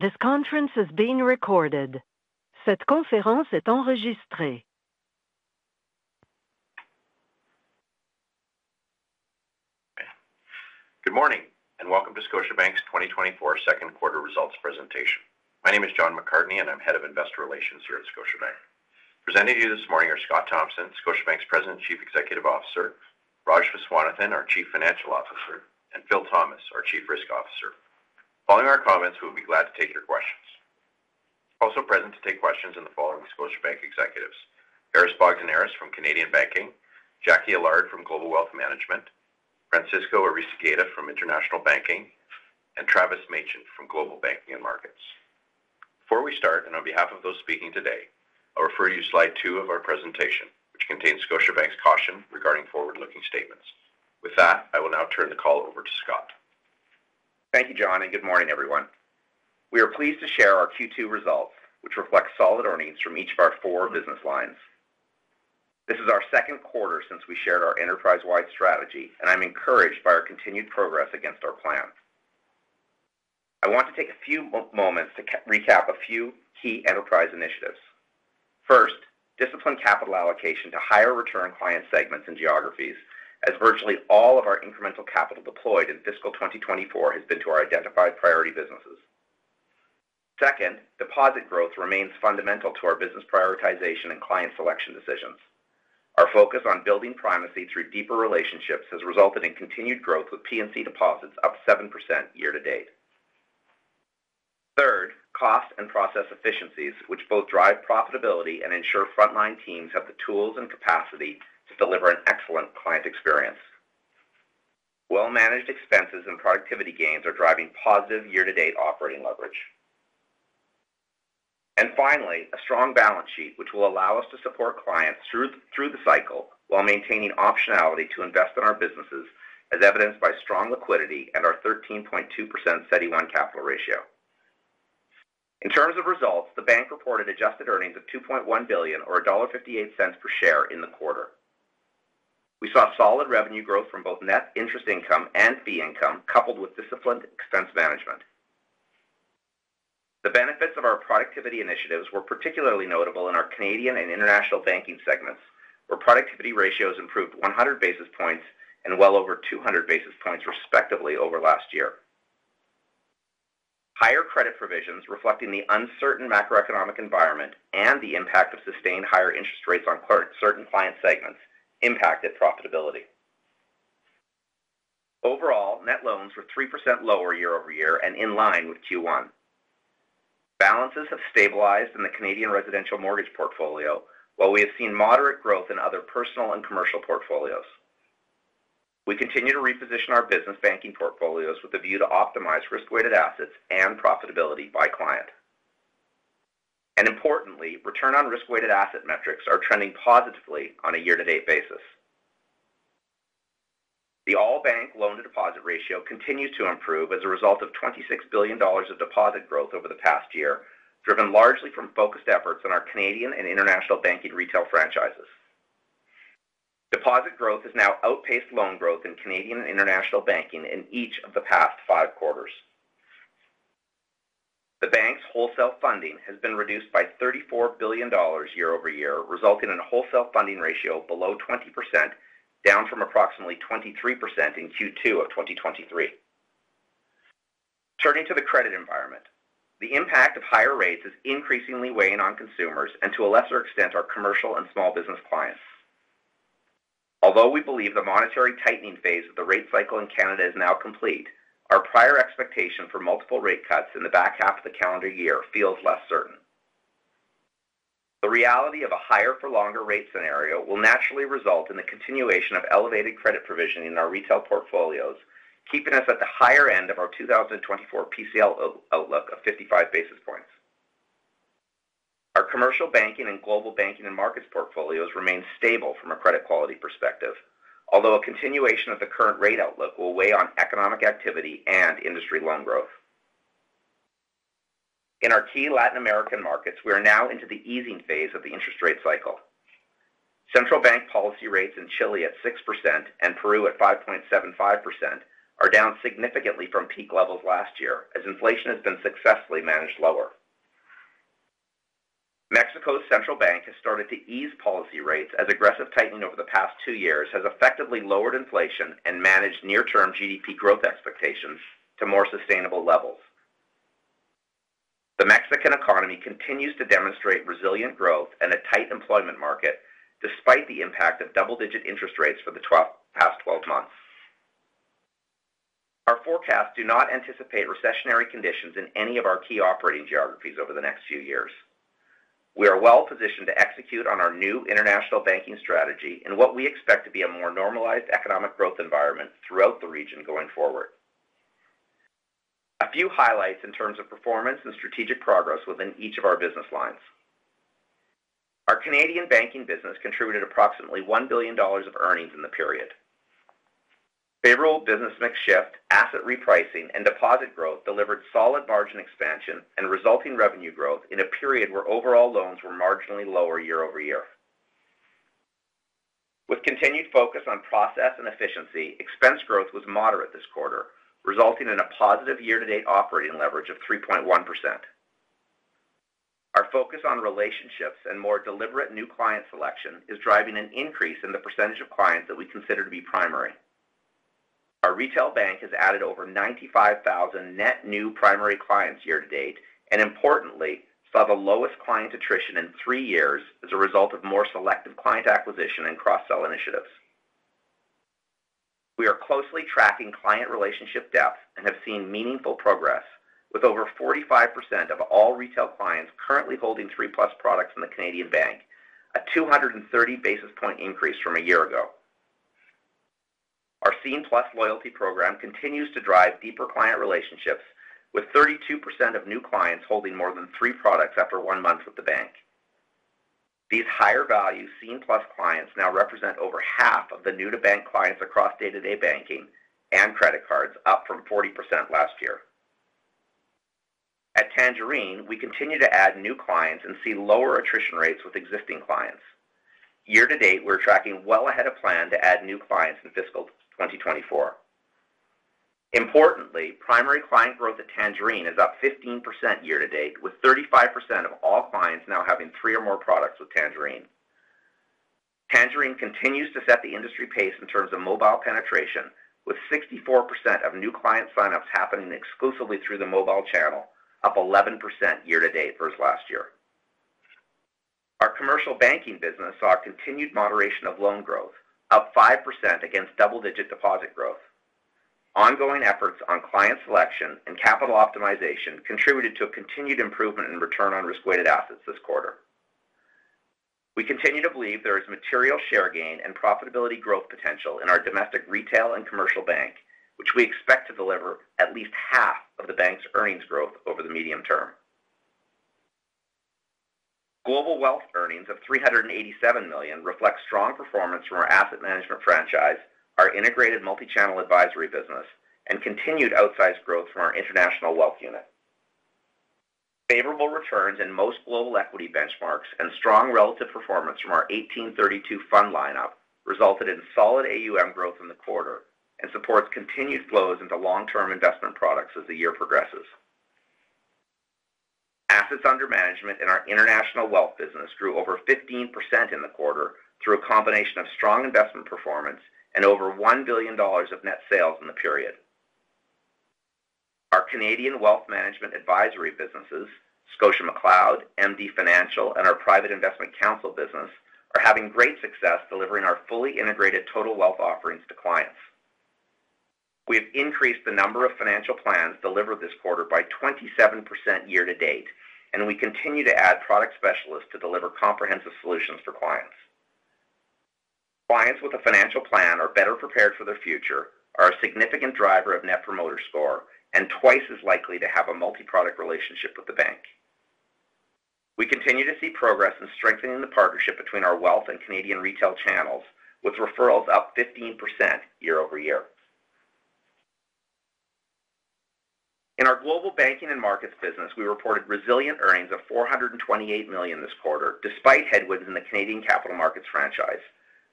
This conference is being recorded. Cette conférence est enregistrée. Good morning, and welcome to Scotiabank's 2024 second quarter results presentation. My name is John McCartney, and I'm Head of Investor Relations here at Scotiabank. Presenting to you this morning are Scott Thomson, Scotiabank's President and Chief Executive Officer, Raj Viswanathan, our Chief Financial Officer, and Phil Thomas, our Chief Risk Officer. Following our comments, we'll be glad to take your questions. Also present to take questions are the following Scotiabank executives: Aris Bogdaneris from Canadian Banking, Jacqui Allard from Global Wealth Management, Francisco Aristeguieta from International Banking, and Travis Machen from Global Banking and Markets. Before we start, and on behalf of those speaking today, I'll refer you to slide two of our presentation, which contains Scotiabank's caution regarding forward-looking statements. With that, I will now turn the call over to Scott. Thank you, John, and good morning, everyone. We are pleased to share our Q2 results, which reflect solid earnings from each of our four business lines. This is our second quarter since we shared our enterprise-wide strategy, and I'm encouraged by our continued progress against our plan. I want to take a few moments to recap a few key enterprise initiatives. First, disciplined capital allocation to higher return client segments and geographies, as virtually all of our incremental capital deployed in fiscal 2024 has been to our identified priority businesses. Second, deposit growth remains fundamental to our business prioritization and client selection decisions. Our focus on building primacy through deeper relationships has resulted in continued growth, with P&C deposits up 7% year to date. Third, cost and process efficiencies, which both drive profitability and ensure frontline teams have the tools and capacity to deliver an excellent client experience. Well-managed expenses and productivity gains are driving positive year-to-date operating leverage. And finally, a strong balance sheet, which will allow us to support clients through the cycle while maintaining optionality to invest in our businesses, as evidenced by strong liquidity and our 13.2% CET1 capital ratio. In terms of results, the bank reported adjusted earnings of 2.1 billion or dollar 1.58 per share in the quarter. We saw solid revenue growth from both net interest income and fee income, coupled with disciplined expense management. The benefits of our productivity initiatives were particularly notable in our Canadian and international banking segments, where productivity ratios improved 100 basis points and well over 200 basis points, respectively, over last year. Higher credit provisions, reflecting the uncertain macroeconomic environment and the impact of sustained higher interest rates on certain client segments, impacted profitability. Overall, net loans were 3% lower year-over-year and in line with Q1. Balances have stabilized in the Canadian residential mortgage portfolio, while we have seen moderate growth in other personal and commercial portfolios. We continue to reposition our business banking portfolios with a view to optimize risk-weighted assets and profitability by client. Importantly, return on risk-weighted asset metrics are trending positively on a year-to-date basis. The all-bank loan-to-deposit ratio continues to improve as a result of 26 billion dollars of deposit growth over the past year, driven largely from focused efforts in our Canadian and international banking retail franchises. Deposit growth has now outpaced loan growth in Canadian and international banking in each of the past five quarters. The bank's wholesale funding has been reduced by 34 billion dollars year-over-year, resulting in a wholesale funding ratio below 20%, down from approximately 23% in Q2 of 2023. Turning to the credit environment, the impact of higher rates is increasingly weighing on consumers and, to a lesser extent, our commercial and small business clients. Although we believe the monetary tightening phase of the rate cycle in Canada is now complete, our prior expectation for multiple rate cuts in the back half of the calendar year feels less certain. The reality of a higher-for-longer rate scenario will naturally result in the continuation of elevated credit provision in our retail portfolios, keeping us at the higher end of our 2024 PCL outlook of 55 basis points. Our commercial banking and global banking and markets portfolios remain stable from a credit quality perspective, although a continuation of the current rate outlook will weigh on economic activity and industry loan growth. In our key Latin American markets, we are now into the easing phase of the interest rate cycle. Central bank policy rates in Chile at 6% and Peru at 5.75% are down significantly from peak levels last year, as inflation has been successfully managed lower. Mexico's central bank has started to ease policy rates, as aggressive tightening over the past two years has effectively lowered inflation and managed near-term GDP growth expectations to more sustainable levels. The Mexican economy continues to demonstrate resilient growth and a tight employment market, despite the impact of double-digit interest rates for the past 12 months. Our forecasts do not anticipate recessionary conditions in any of our key operating geographies over the next few years. We are well positioned to execute on our new international banking strategy in what we expect to be a more normalized economic growth environment throughout the region going forward. A few highlights in terms of performance and strategic progress within each of our business lines. Our Canadian banking business contributed approximately 1 billion dollars of earnings in the period. Favorable business mix shift, asset repricing, and deposit growth delivered solid margin expansion and resulting revenue growth in a period where overall loans were marginally lower year-over-year. With continued focus on process and efficiency, expense growth was moderate this quarter, resulting in a positive year-to-date operating leverage of 3.1%. Our focus on relationships and more deliberate new client selection is driving an increase in the percentage of clients that we consider to be primary. Our retail bank has added over 95,000 net new primary clients year-to-date, and importantly, saw the lowest client attrition in three years as a result of more selective client acquisition and cross-sell initiatives. We are closely tracking client relationship depth and have seen meaningful progress, with over 45% of all retail clients currently holding 3+ products in the Canadian bank, a 230 basis point increase from a year ago. Our Scene+ loyalty program continues to drive deeper client relationships, with 32% of new clients holding more than three products after one month with the bank. These higher value Scene+ clients now represent over half of the new-to-bank clients across day-to-day banking and credit cards, up from 40% last year. At Tangerine, we continue to add new clients and see lower attrition rates with existing clients. Year to date, we're tracking well ahead of plan to add new clients in fiscal 2024. Importantly, primary client growth at Tangerine is up 15% year to date, with 35% of all clients now having three or more products with Tangerine. Tangerine continues to set the industry pace in terms of mobile penetration, with 64% of new client sign-ups happening exclusively through the mobile channel, up 11% year to date versus last year. Our commercial banking business saw a continued moderation of loan growth, up 5% against double-digit deposit growth. Ongoing efforts on client selection and capital optimization contributed to a continued improvement in return on risk-weighted assets this quarter. We continue to believe there is material share gain and profitability growth potential in our domestic, retail, and commercial bank, which we expect to deliver at least half of the bank's earnings growth over the medium term. Global Wealth earnings of 387 million reflects strong performance from our asset management franchise, our integrated multi-channel advisory business, and continued outsized growth from our international wealth unit. Favorable returns in most global equity benchmarks and strong relative performance from our 1832 fund lineup resulted in solid AUM growth in the quarter and supports continued flows into long-term investment products as the year progresses. Assets under management in our international wealth business grew over 15% in the quarter through a combination of strong investment performance and over 1 billion dollars of net sales in the period. Our Canadian wealth management advisory businesses, ScotiaMcLeod, MD Financial, and our private investment counsel business, are having great success delivering our fully integrated total wealth offerings to clients. We have increased the number of financial plans delivered this quarter by 27% year-to-date, and we continue to add product specialists to deliver comprehensive solutions for clients. Clients with a financial plan are better prepared for their future, are a significant driver of Net Promoter Score, and twice as likely to have a multi-product relationship with the bank. We continue to see progress in strengthening the partnership between our wealth and Canadian retail channels, with referrals up 15% year-over-year. In our global banking and markets business, we reported resilient earnings of 428 million this quarter, despite headwinds in the Canadian capital markets franchise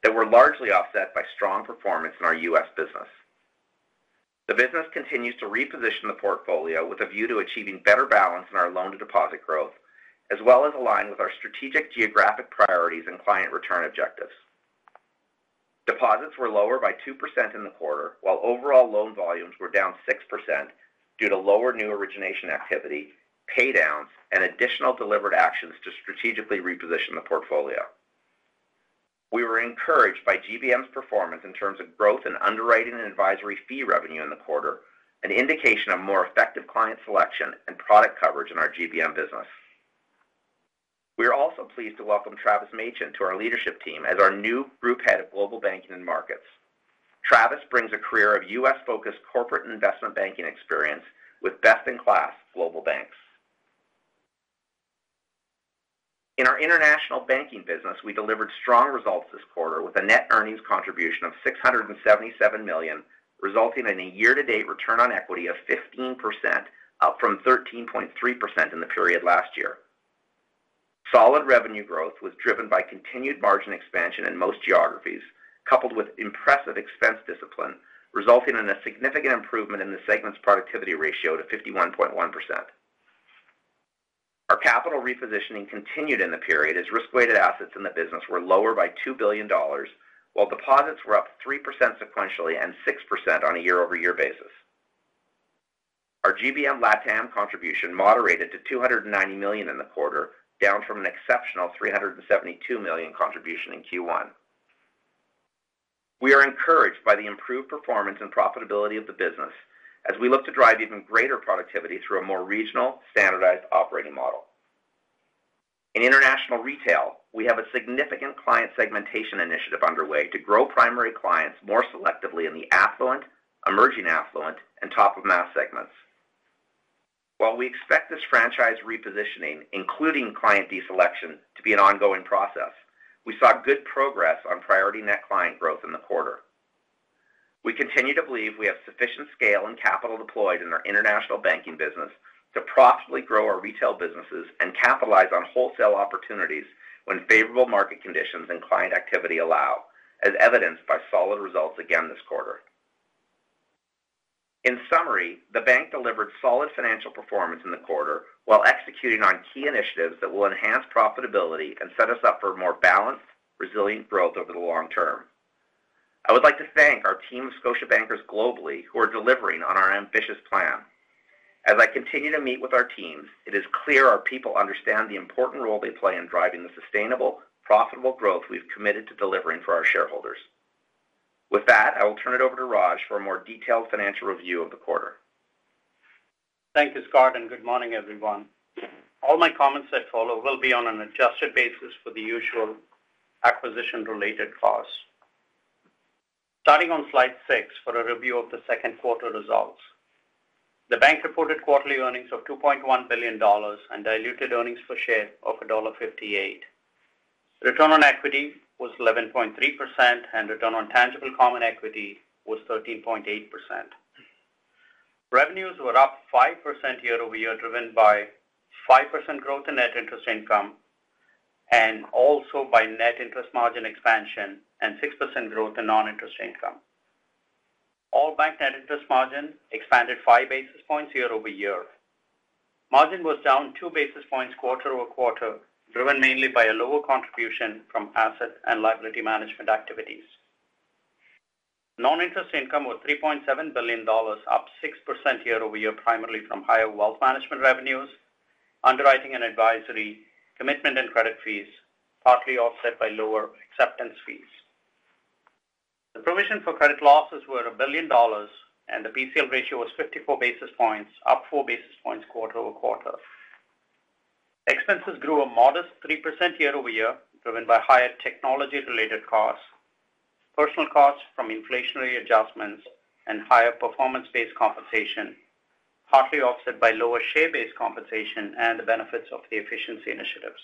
that were largely offset by strong performance in our U.S. business. The business continues to reposition the portfolio with a view to achieving better balance in our loan-to-deposit growth, as well as align with our strategic geographic priorities and client return objectives. Deposits were lower by 2% in the quarter, while overall loan volumes were down 6% due to lower new origination activity, pay downs, and additional delivered actions to strategically reposition the portfolio. We were encouraged by GBM's performance in terms of growth in underwriting and advisory fee revenue in the quarter, an indication of more effective client selection and product coverage in our GBM business. We are also pleased to welcome Travis Machen to our leadership team as our new Group Head of Global Banking and Markets. Travis brings a career of U.S.-focused corporate and investment banking experience with best-in-class global banks. In our international banking business, we delivered strong results this quarter with a net earnings contribution of 677 million, resulting in a year-to-date return on equity of 15%, up from 13.3% in the period last year. Solid revenue growth was driven by continued margin expansion in most geographies, coupled with impressive expense discipline, resulting in a significant improvement in the segment's productivity ratio to 51.1%. Our capital repositioning continued in the period as risk-weighted assets in the business were lower by 2 billion dollars, while deposits were up 3% sequentially and 6% on a year-over-year basis. Our GBM Latam contribution moderated to 290 million in the quarter, down from an exceptional 372 million contribution in Q1. We are encouraged by the improved performance and profitability of the business as we look to drive even greater productivity through a more regional, standardized operating model. In international retail, we have a significant client segmentation initiative underway to grow primary clients more selectively in the affluent, emerging affluent, and top of mass segments. While we expect this franchise repositioning, including client deselection, to be an ongoing process, we saw good progress on priority net client growth in the quarter.... We continue to believe we have sufficient scale and capital deployed in our international banking business to profitably grow our retail businesses and capitalize on wholesale opportunities when favorable market conditions and client activity allow, as evidenced by solid results again this quarter. In summary, the bank delivered solid financial performance in the quarter, while executing on key initiatives that will enhance profitability and set us up for more balanced, resilient growth over the long term. I would like to thank our team of Scotiabankers globally, who are delivering on our ambitious plan. As I continue to meet with our teams, it is clear our people understand the important role they play in driving the sustainable, profitable growth we've committed to delivering for our shareholders. With that, I will turn it over to Raj for a more detailed financial review of the quarter. Thank you, Scott, and good morning, everyone. All my comments that follow will be on an adjusted basis for the usual acquisition-related costs. Starting on slide six for a review of the second quarter results. The bank reported quarterly earnings of 2.1 billion dollars and diluted earnings per share of dollar 1.58. Return on equity was 11.3%, and return on tangible common equity was 13.8%. Revenues were up 5% year-over-year, driven by 5% growth in net interest income, and also by net interest margin expansion and 6% growth in non-interest income. All bank net interest margin expanded 5 basis points year-over-year. Margin was down 2 basis points quarter-over-quarter, driven mainly by a lower contribution from asset and liability management activities. Non-interest income was $3.7 billion, up 6% year-over-year, primarily from higher wealth management revenues, underwriting and advisory, commitment and credit fees, partly offset by lower acceptance fees. The provision for credit losses were 1 billion dollars, and the PCL ratio was 54 basis points, up 4 basis points quarter-over-quarter. Expenses grew a modest 3% year-over-year, driven by higher technology-related costs, personal costs from inflationary adjustments, and higher performance-based compensation, partly offset by lower share-based compensation and the benefits of the efficiency initiatives.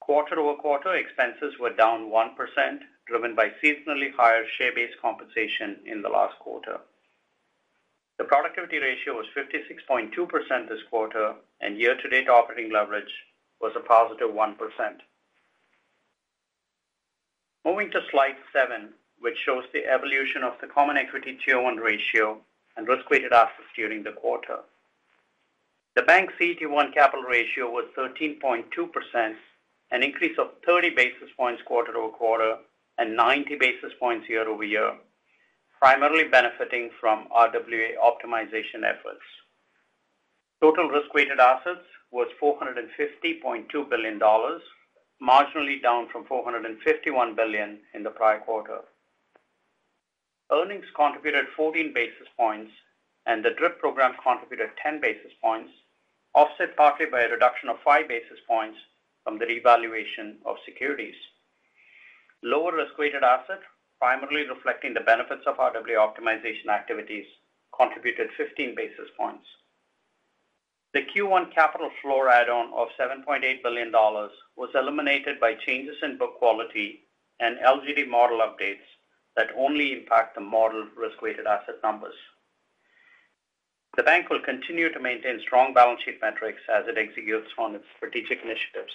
Quarter-over-quarter, expenses were down 1%, driven by seasonally higher share-based compensation in the last quarter. The productivity ratio was 56.2% this quarter, and year-to-date operating leverage was a positive 1%. Moving to slide seven, which shows the evolution of the common equity Tier One ratio and risk-weighted assets during the quarter. The bank's CET1 capital ratio was 13.2%, an increase of 30 basis points quarter-over-quarter and 90 basis points year-over-year, primarily benefiting from RWA optimization efforts. Total risk-weighted assets was 450.2 billion dollars, marginally down from 451 billion in the prior quarter. Earnings contributed 14 basis points, and the DRIP program contributed 10 basis points, offset partly by a reduction of 5 basis points from the revaluation of securities. Lower risk-weighted assets, primarily reflecting the benefits of RWA optimization activities, contributed 15 basis points. The Q1 capital floor add-on of 7.8 billion dollars was eliminated by changes in book quality and LGD model updates that only impact the model risk-weighted asset numbers. The bank will continue to maintain strong balance sheet metrics as it executes on its strategic initiatives.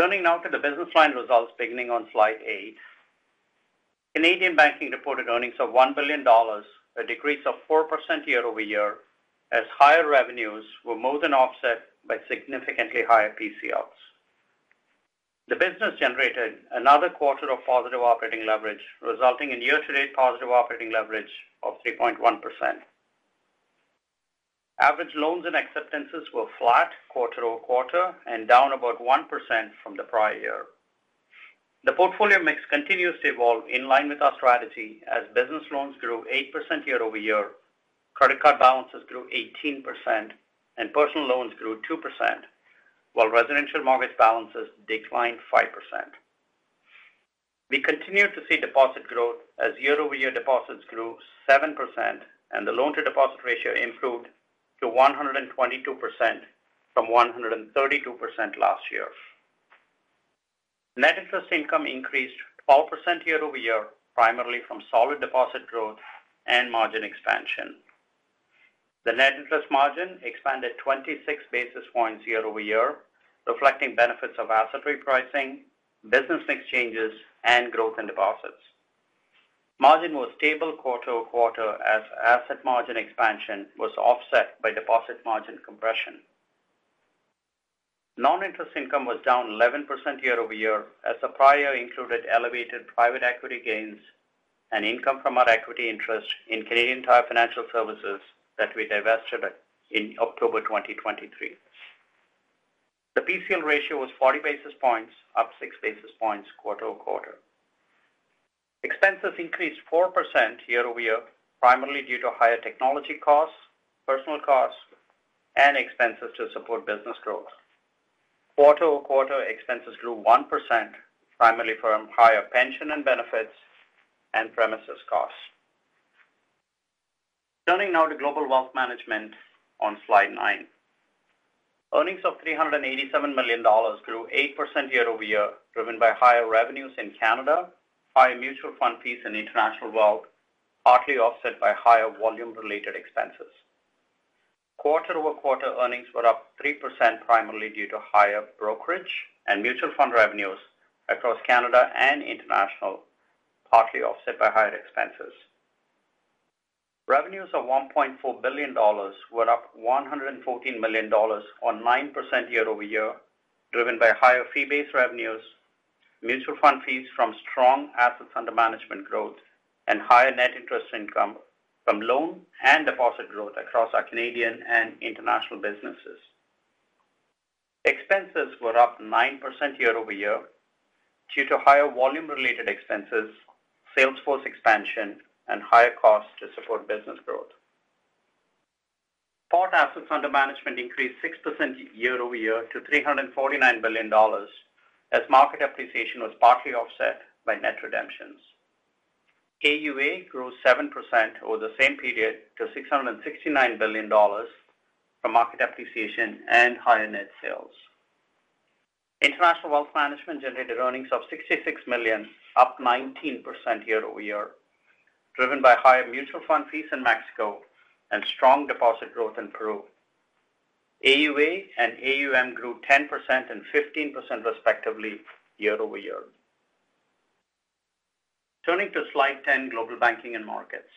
Turning now to the business line results, beginning on Slide eight. Canadian banking reported earnings of 1 billion dollars, a decrease of 4% year-over-year, as higher revenues were more than offset by significantly higher PCLs. The business generated another quarter of positive operating leverage, resulting in year-to-date positive operating leverage of 3.1%. Average loans and acceptances were flat quarter-over-quarter and down about 1% from the prior year. The portfolio mix continues to evolve in line with our strategy as business loans grew 8% year-over-year, credit card balances grew 18%, and personal loans grew 2%, while residential mortgage balances declined 5%. We continue to see deposit growth as year-over-year deposits grew 7%, and the loan-to-deposit ratio improved to 122% from 132% last year. Net interest income increased 12% year-over-year, primarily from solid deposit growth and margin expansion. The net interest margin expanded 26 basis points year-over-year, reflecting benefits of asset repricing, business mix changes, and growth in deposits. Margin was stable quarter-over-quarter as asset margin expansion was offset by deposit margin compression. Non-interest income was down 11% year-over-year, as the prior year included elevated private equity gains and income from our equity interest in Canadian Tire Financial Services that we divested it in October 2023. The PCL ratio was 40 basis points, up 6 basis points quarter-over-quarter. Expenses increased 4% year-over-year, primarily due to higher technology costs, personal costs, and expenses to support business growth. Quarter-over-quarter, expenses grew 1%, primarily from higher pension and benefits and premises costs.... Turning now to Global Wealth Management on slide nine. Earnings of 387 million dollars grew 8% year-over-year, driven by higher revenues in Canada, higher mutual fund fees in international wealth, partly offset by higher volume-related expenses. Quarter-over-quarter earnings were up 3%, primarily due to higher brokerage and mutual fund revenues across Canada and international, partly offset by higher expenses. Revenues of 1.4 billion dollars were up 114 million dollars or 9% year-over-year, driven by higher fee-based revenues, mutual fund fees from strong assets under management growth, and higher net interest income from loan and deposit growth across our Canadian and international businesses. Expenses were up 9% year-over-year due to higher volume-related expenses, salesforce expansion, and higher costs to support business growth. Portfolio assets under management increased 6% year-over-year to 349 billion dollars, as market appreciation was partly offset by net redemptions. AUA grew 7% over the same period to 669 billion dollars from market appreciation and higher net sales. International Wealth Management generated earnings of 66 million, up 19% year-over-year, driven by higher mutual fund fees in Mexico and strong deposit growth in Peru. AUA and AUM grew 10% and 15% respectively, year-over-year. Turning to slide 10, Global Banking and Markets.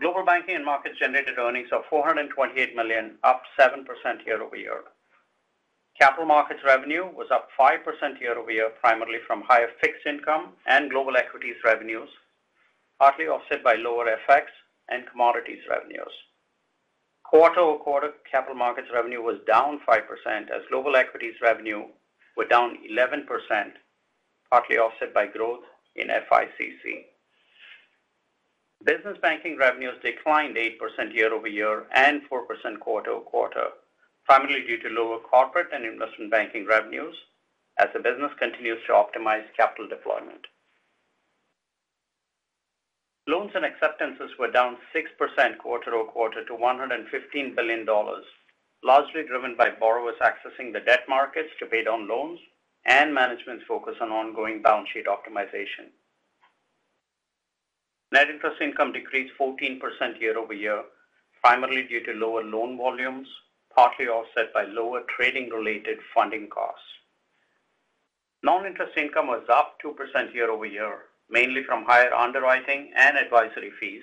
Global Banking and Markets generated earnings of 428 million, up 7% year-over-year. Capital markets revenue was up 5% year-over-year, primarily from higher fixed income and global equities revenues, partly offset by lower FX and commodities revenues. Quarter-over-quarter, capital markets revenue was down 5%, as global equities revenue were down 11%, partly offset by growth in FICC. Business banking revenues declined 8% year-over-year and 4% quarter-over-quarter, primarily due to lower corporate and investment banking revenues as the business continues to optimize capital deployment. Loans and acceptances were down 6% quarter-over-quarter to 115 billion dollars, largely driven by borrowers accessing the debt markets to pay down loans and management's focus on ongoing balance sheet optimization. Net interest income decreased 14% year-over-year, primarily due to lower loan volumes, partly offset by lower trading-related funding costs. Non-interest income was up 2% year-over-year, mainly from higher underwriting and advisory fees,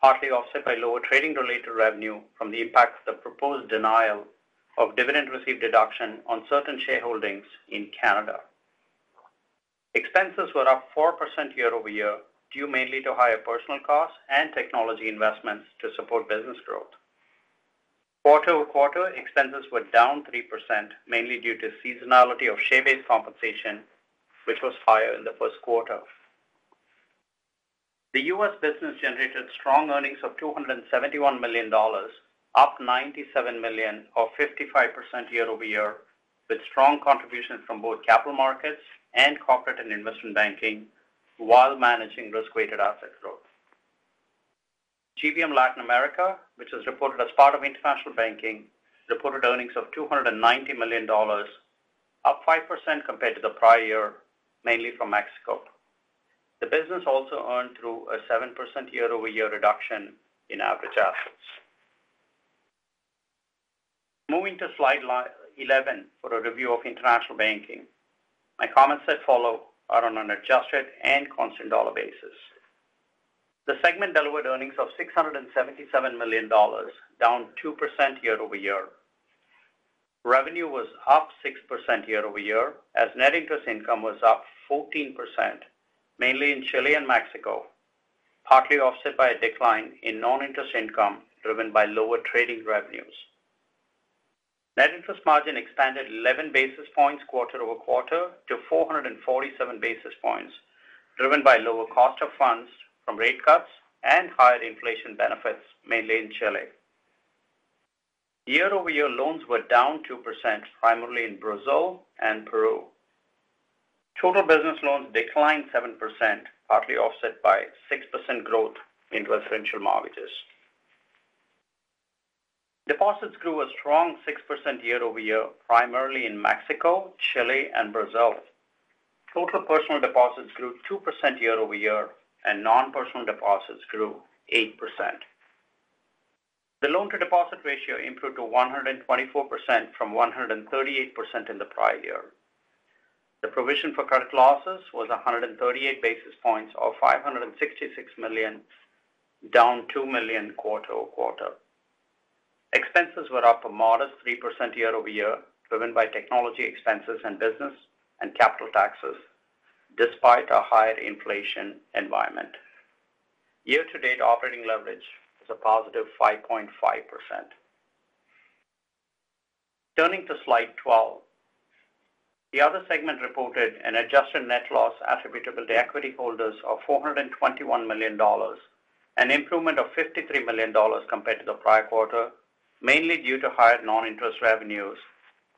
partly offset by lower trading-related revenue from the impact of the proposed denial of dividend received deduction on certain shareholdings in Canada. Expenses were up 4% year-over-year, due mainly to higher personal costs and technology investments to support business growth. Quarter-over-quarter, expenses were down 3%, mainly due to seasonality of share-based compensation, which was higher in the first quarter. The U.S. business generated strong earnings of 271 million dollars, up 97 million or 55% year-over-year, with strong contributions from both capital markets and corporate and investment banking, while managing risk-weighted asset growth. GBM Latin America, which is reported as part of international banking, reported earnings of 290 million dollars, up 5% compared to the prior year, mainly from Mexico. The business also earned through a 7% year-over-year reduction in average assets. Moving to slide 11, for a review of international banking. My comments that follow are on an adjusted and constant dollar basis. The segment delivered earnings of 677 million dollars, down 2% year-over-year. Revenue was up 6% year-over-year, as net interest income was up 14%, mainly in Chile and Mexico, partly offset by a decline in non-interest income driven by lower trading revenues. Net interest margin expanded 11 basis points quarter-over-quarter to 447 basis points, driven by lower cost of funds from rate cuts and higher inflation benefits, mainly in Chile. Year-over-year, loans were down 2%, primarily in Brazil and Peru. Total business loans declined 7%, partly offset by 6% growth in residential mortgages. Deposits grew a strong 6% year-over-year, primarily in Mexico, Chile, and Brazil. Total personal deposits grew 2% year-over-year, and non-personal deposits grew 8%. The loan-to-deposit ratio improved to 124% from 138% in the prior year. The provision for credit losses was 138 basis points or 566 million, down 2 million quarter-over-quarter. Expenses were up a modest 3% year-over-year, driven by technology expenses and business and capital taxes, despite a higher inflation environment. Year-to-date operating leverage is +5.5%. Turning to slide 12. The other segment reported an adjusted net loss attributable to equity holders of 421 million dollars, an improvement of 53 million dollars compared to the prior quarter, mainly due to higher non-interest revenues,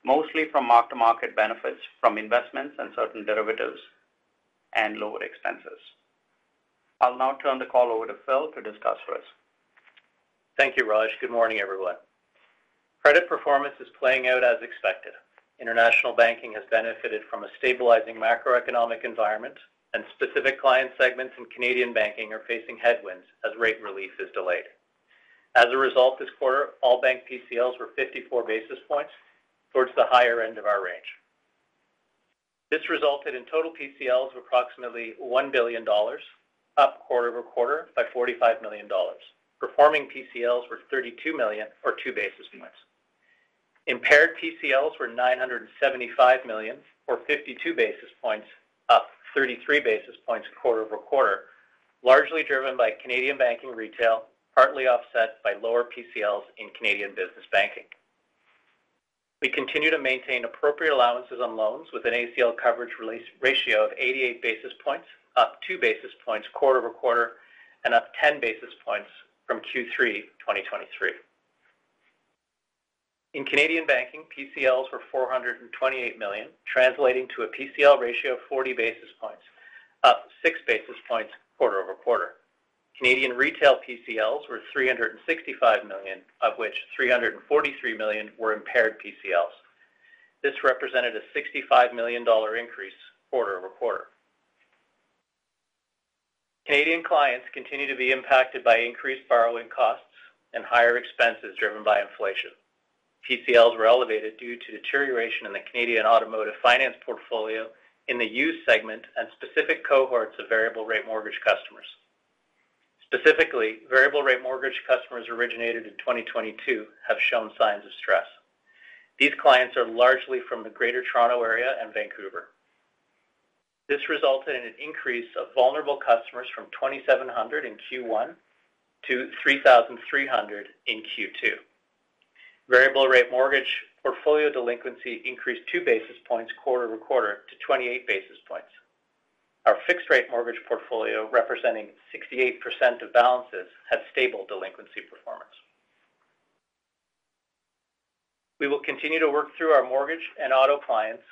mostly from mark-to-market benefits from investments and certain derivatives-... and lower expenses. I'll now turn the call over to Phil to discuss for us. Thank you, Raj. Good morning, everyone. Credit performance is playing out as expected. International banking has benefited from a stabilizing macroeconomic environment, and specific client segments in Canadian banking are facing headwinds as rate relief is delayed. As a result, this quarter, all bank PCLs were 54 basis points towards the higher end of our range. This resulted in total PCLs of approximately 1 billion dollars, up quarter-over-quarter by 45 million dollars. Performing PCLs were 32 million or 2 basis points. Impaired PCLs were 975 million or 52 basis points, up 33 basis points quarter-over-quarter, largely driven by Canadian banking retail, partly offset by lower PCLs in Canadian business banking. We continue to maintain appropriate allowances on loans with an ACL coverage release ratio of 88 basis points, up 2 basis points quarter-over-quarter, and up 10 basis points from Q3 2023. In Canadian banking, PCLs were 428 million, translating to a PCL ratio of 40 basis points, up 6 basis points quarter-over-quarter. Canadian retail PCLs were 365 million, of which 343 million were impaired PCLs. This represented a 65 million dollar increase quarter-over-quarter. Canadian clients continue to be impacted by increased borrowing costs and higher expenses driven by inflation. PCLs were elevated due to deterioration in the Canadian automotive finance portfolio in the U.S. segment and specific cohorts of variable rate mortgage customers. Specifically, variable rate mortgage customers originated in 2022 have shown signs of stress. These clients are largely from the Greater Toronto Area and Vancouver. This resulted in an increase of vulnerable customers from 2,700 in Q1 to 3,300 in Q2. Variable rate mortgage portfolio delinquency increased 2 basis points quarter-over-quarter to 28 basis points. Our fixed rate mortgage portfolio, representing 68% of balances, had stable delinquency performance. We will continue to work through our mortgage and auto clients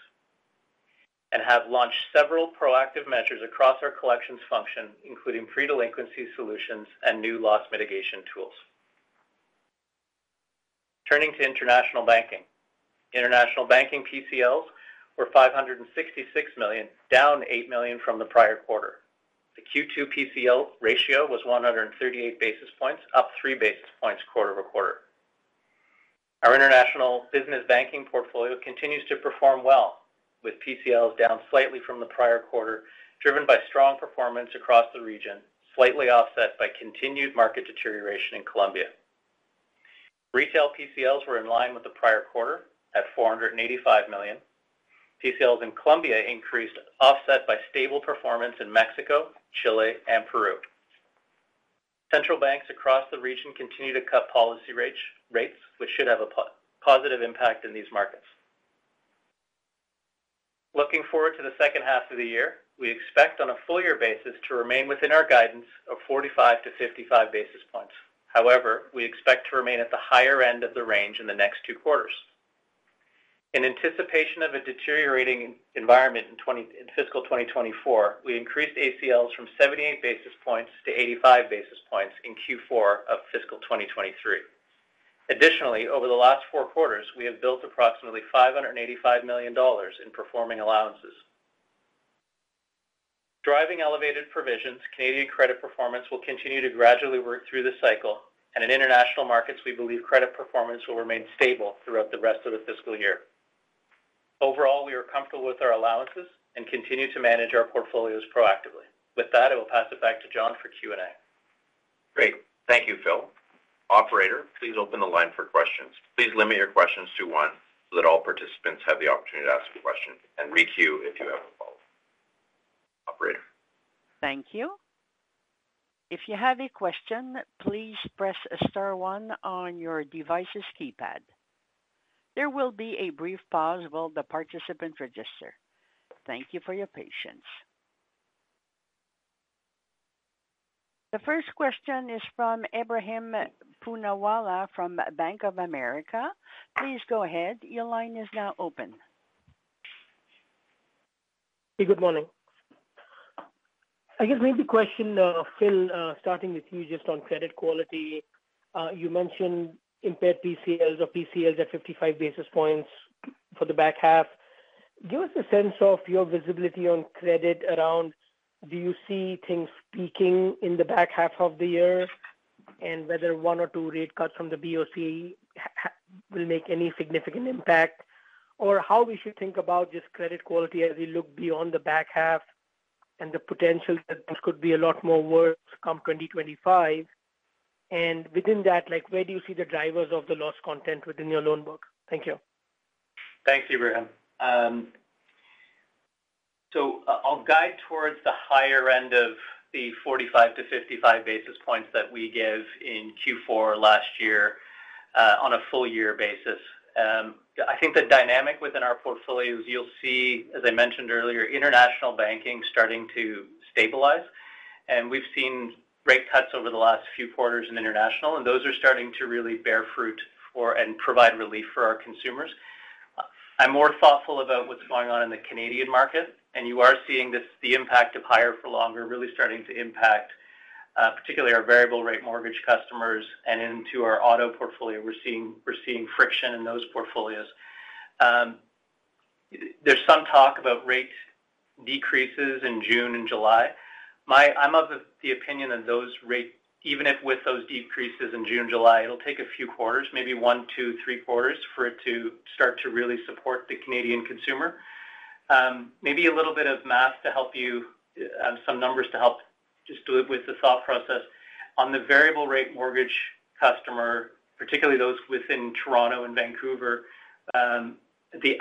and have launched several proactive measures across our collections function, including pre-delinquency solutions and new loss mitigation tools. Turning to international banking. International banking PCLs were 566 million, down 8 million from the prior quarter. The Q2 PCL ratio was 138 basis points, up 3 basis points quarter-over-quarter. Our international business banking portfolio continues to perform well, with PCLs down slightly from the prior quarter, driven by strong performance across the region, slightly offset by continued market deterioration in Colombia. Retail PCLs were in line with the prior quarter at 485 million. PCLs in Colombia increased, offset by stable performance in Mexico, Chile, and Peru. Central banks across the region continue to cut policy rates, which should have a positive impact in these markets. Looking forward to the second half of the year, we expect on a full year basis to remain within our guidance of 45-55 basis points. However, we expect to remain at the higher end of the range in the next two quarters. In anticipation of a deteriorating environment in fiscal 2024, we increased ACLs from 78 basis points to 85 basis points in Q4 of fiscal 2023. Additionally, over the last four quarters, we have built approximately 585 million dollars in performing allowances. Driving elevated provisions, Canadian credit performance will continue to gradually work through the cycle, and in international markets, we believe credit performance will remain stable throughout the rest of the fiscal year. Overall, we are comfortable with our allowances and continue to manage our portfolios proactively. With that, I will pass it back to John for Q&A. Great. Thank you, Phil. Operator, please open the line for questions. Please limit your questions to one, so that all participants have the opportunity to ask a question and requeue if you have a follow-up. Operator? Thank you. If you have a question, please press star one on your device's keypad. There will be a brief pause while the participants register. Thank you for your patience. The first question is from Ebrahim Poonawalla from Bank of America. Please go ahead. Your line is now open. Hey, good morning. I guess maybe question, Phil, starting with you just on credit quality. You mentioned impaired PCLs or PCLs at 55 basis points for the back half. Give us a sense of your visibility on credit around do you see things peaking in the back half of the year, and whether one or two rate cuts from the BOC will make any significant impact, or how we should think about just credit quality as we look beyond the back half and the potential that this could be a lot more worse come 2025? And within that, like, where do you see the drivers of the loss content within your loan book? Thank you. Thanks, Ebrahim. So I'll guide towards the higher end of the 45-55 basis points that we gave in Q4 last year, on a full year basis. I think the dynamic within our portfolios, you'll see, as I mentioned earlier, international banking starting to stabilize, and we've seen rate cuts over the last few quarters in international, and those are starting to really bear fruit for, and provide relief for our consumers. I'm more thoughtful about what's going on in the Canadian market, and you are seeing this, the impact of higher for longer really starting to impact, particularly our variable rate mortgage customers and into our auto portfolio. We're seeing, we're seeing friction in those portfolios. There's some talk about rate decreases in June and July. I'm of the opinion that those rate, even if with those decreases in June, July, it'll take a few quarters, maybe one to three quarters, for it to start to really support the Canadian consumer. Maybe a little bit of math to help you, some numbers to help just do it with the thought process. On the variable rate mortgage customer, particularly those within Toronto and Vancouver, the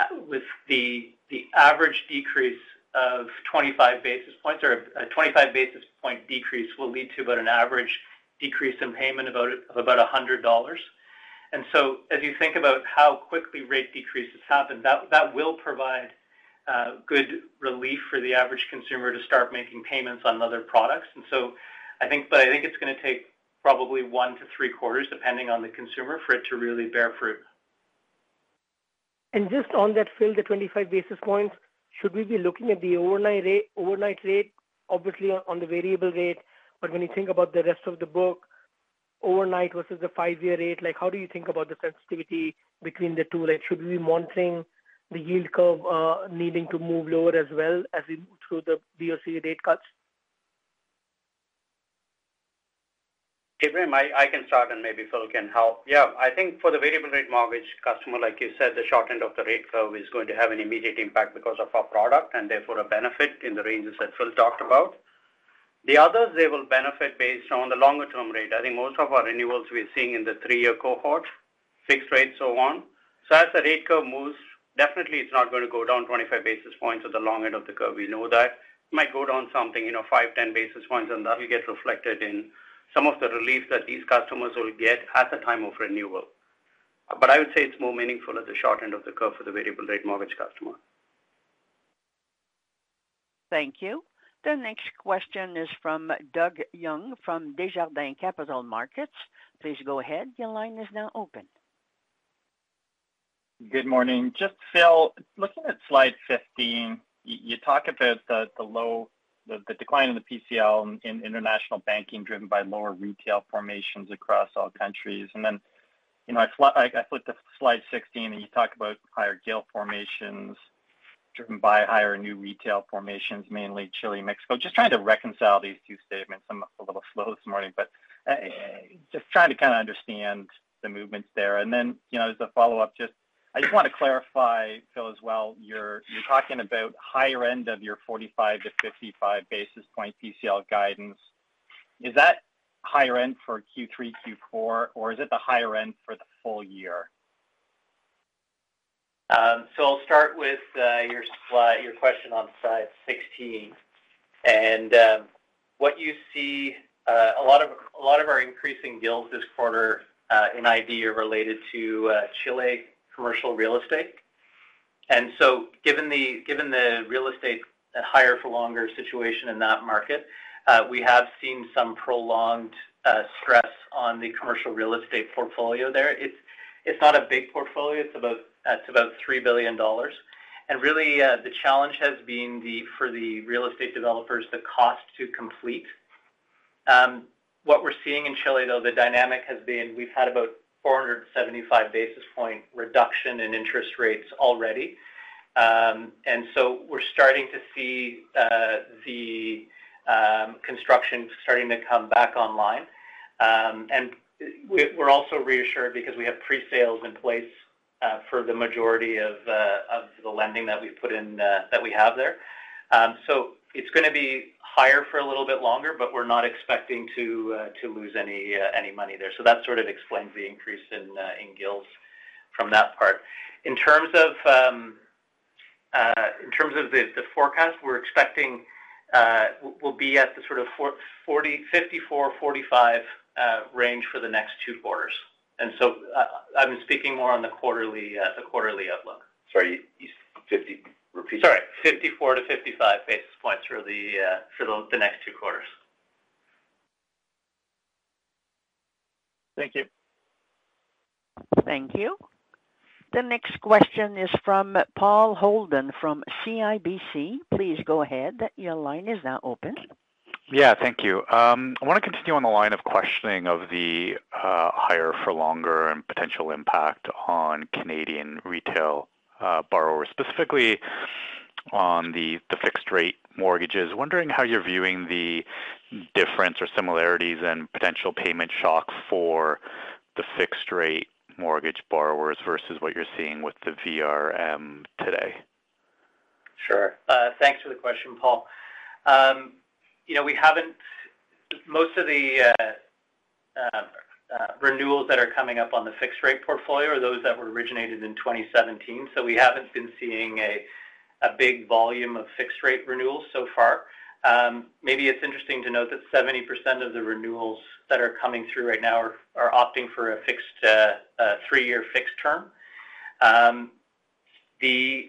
average decrease of 25 basis points or a 25 basis point decrease will lead to about an average decrease in payment of about 100 dollars. So as you think about how quickly rate decreases happen, that will provide good relief for the average consumer to start making payments on other products. I think, but I think it's gonna take probably one to three quarters, depending on the consumer, for it to really bear fruit. And just on that, Phil, the 25 basis points, should we be looking at the overnight rate, overnight rate, obviously, on the variable rate? But when you think about the rest of the book, overnight versus the five-year rate, like, how do you think about the sensitivity between the two? Like, should we be monitoring the yield curve, needing to move lower as well as we through the BOC rate cuts? Ebrahim, I can start and maybe Phil can help. Yeah, I think for the variable rate mortgage customer, like you said, the short end of the rate curve is going to have an immediate impact because of our product, and therefore a benefit in the ranges that Phil talked about. The others, they will benefit based on the longer-term rate. I think most of our renewals we're seeing in the three-year cohort, fixed rate, so on. So as the rate curve moves, definitely it's not going to go down 25 basis points at the long end of the curve. We know that. It might go down something, you know, 5, 10 basis points, and that will get reflected in some of the relief that these customers will get at the time of renewal. I would say it's more meaningful at the short end of the curve for the variable rate mortgage customer. Thank you. The next question is from Doug Young from Desjardins Capital Markets. Please go ahead. Your line is now open. Good morning. Just Phil, looking at slide 15, you talk about the decline in the PCL in international banking, driven by lower retail formations across all countries. And then, you know, I flip to slide 16, and you talk about higher GIL formations driven by higher new retail formations, mainly Chile, Mexico. Just trying to reconcile these two statements. I'm a little slow this morning, but just trying to kind of understand the movements there. And then, you know, as a follow-up, I just want to clarify, Phil, as well, you're talking about higher end of your 45-55 basis point PCL guidance. Is that higher end for Q3, Q4, or is it the higher end for the full year? So I'll start with your slide, your question on slide 16. What you see, a lot of, a lot of our increasing GILs this quarter in IB are related to Chile commercial real estate. So given the, given the real estate higher for longer situation in that market, we have seen some prolonged stress on the commercial real estate portfolio there. It's, it's not a big portfolio. It's about, it's about 3 billion dollars. And really the challenge has been the, for the real estate developers, the cost to complete. What we're seeing in Chile, though, the dynamic has been, we've had about 475 basis point reduction in interest rates already. And so we're starting to see the construction starting to come back online. And we're also reassured because we have pre-sales in place for the majority of the lending that we've put in that we have there. So it's gonna be higher for a little bit longer, but we're not expecting to lose any money there. So that sort of explains the increase in GILs from that part. In terms of the forecast, we're expecting we'll be at the sort of 40, 54, 45 range for the next two quarters. And so I'm speaking more on the quarterly outlook. Sorry, 50... Repeat. Sorry, 54-55 basis points for the next two quarters. Thank you. Thank you. The next question is from Paul Holden from CIBC. Please go ahead. Your line is now open. Yeah, thank you. I want to continue on the line of questioning of the, higher for longer and potential impact on Canadian retail, borrowers, specifically on the, the fixed rate mortgages. Wondering how you're viewing the difference or similarities and potential payment shock for the fixed rate mortgage borrowers versus what you're seeing with the VRM today? Sure. Thanks for the question, Paul. You know, we haven't... Most of the renewals that are coming up on the fixed rate portfolio are those that were originated in 2017, so we haven't been seeing a big volume of fixed rate renewals so far. Maybe it's interesting to note that 70% of the renewals that are coming through right now are opting for a fixed three-year fixed term.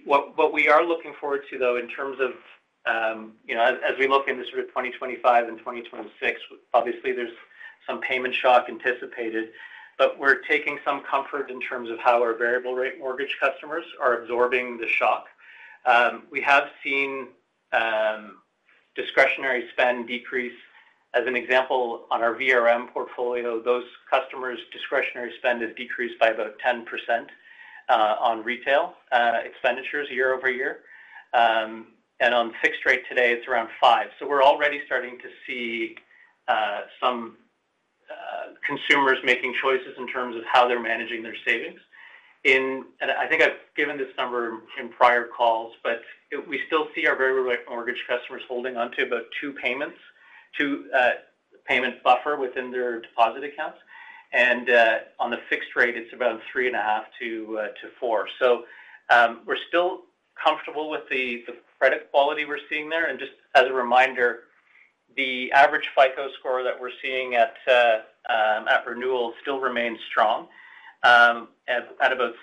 What we are looking forward to, though, in terms of, you know, as we look into sort of 2025 and 2026, obviously there's some payment shock anticipated. But we're taking some comfort in terms of how our variable rate mortgage customers are absorbing the shock. We have seen discretionary spend decrease. As an example, on our VRM portfolio, those customers' discretionary spend has decreased by about 10% on retail expenditures year-over-year. And on fixed rate today, it's around 5%. So we're already starting to see some consumers making choices in terms of how they're managing their savings. And I think I've given this number in prior calls, but we still see our variable rate mortgage customers holding onto about two payments, two payment buffer within their deposit accounts, and on the fixed rate, it's about 3.5-4. So we're still comfortable with the credit quality we're seeing there. And just as a reminder, the average FICO score that we're seeing at renewal still remains strong, at about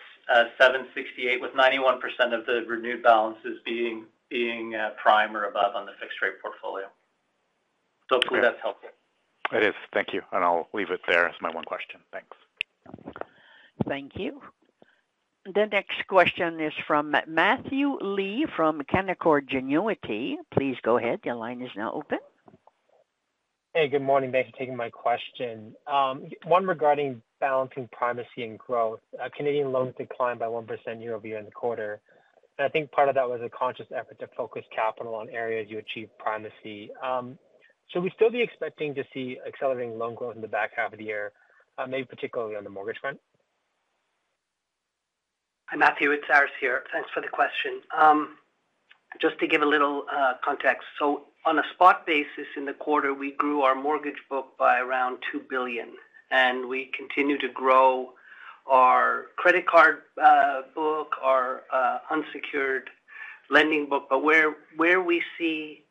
768, with 91% of the renewed balances being prime or above on the fixed rate portfolio. So hopefully that's helpful. It is. Thank you, and I'll leave it there. That's my one question. Thanks. Thank you. The next question is from Matthew Lee from Canaccord Genuity. Please go ahead. Your line is now open. Hey, good morning. Thanks for taking my question. One regarding balancing primacy and growth. Canadian loans declined by 1% year-over-year in the quarter, and I think part of that was a conscious effort to focus capital on areas you achieve primacy. Should we still be expecting to see accelerating loan growth in the back half of the year, maybe particularly on the mortgage front? Hi, Matthew, it's Aris here. Thanks for the question. Just to give a little context, so on a spot basis in the quarter, we grew our mortgage book by around 2 billion, and we continue to grow our credit card book, our unsecured lending book. But where we see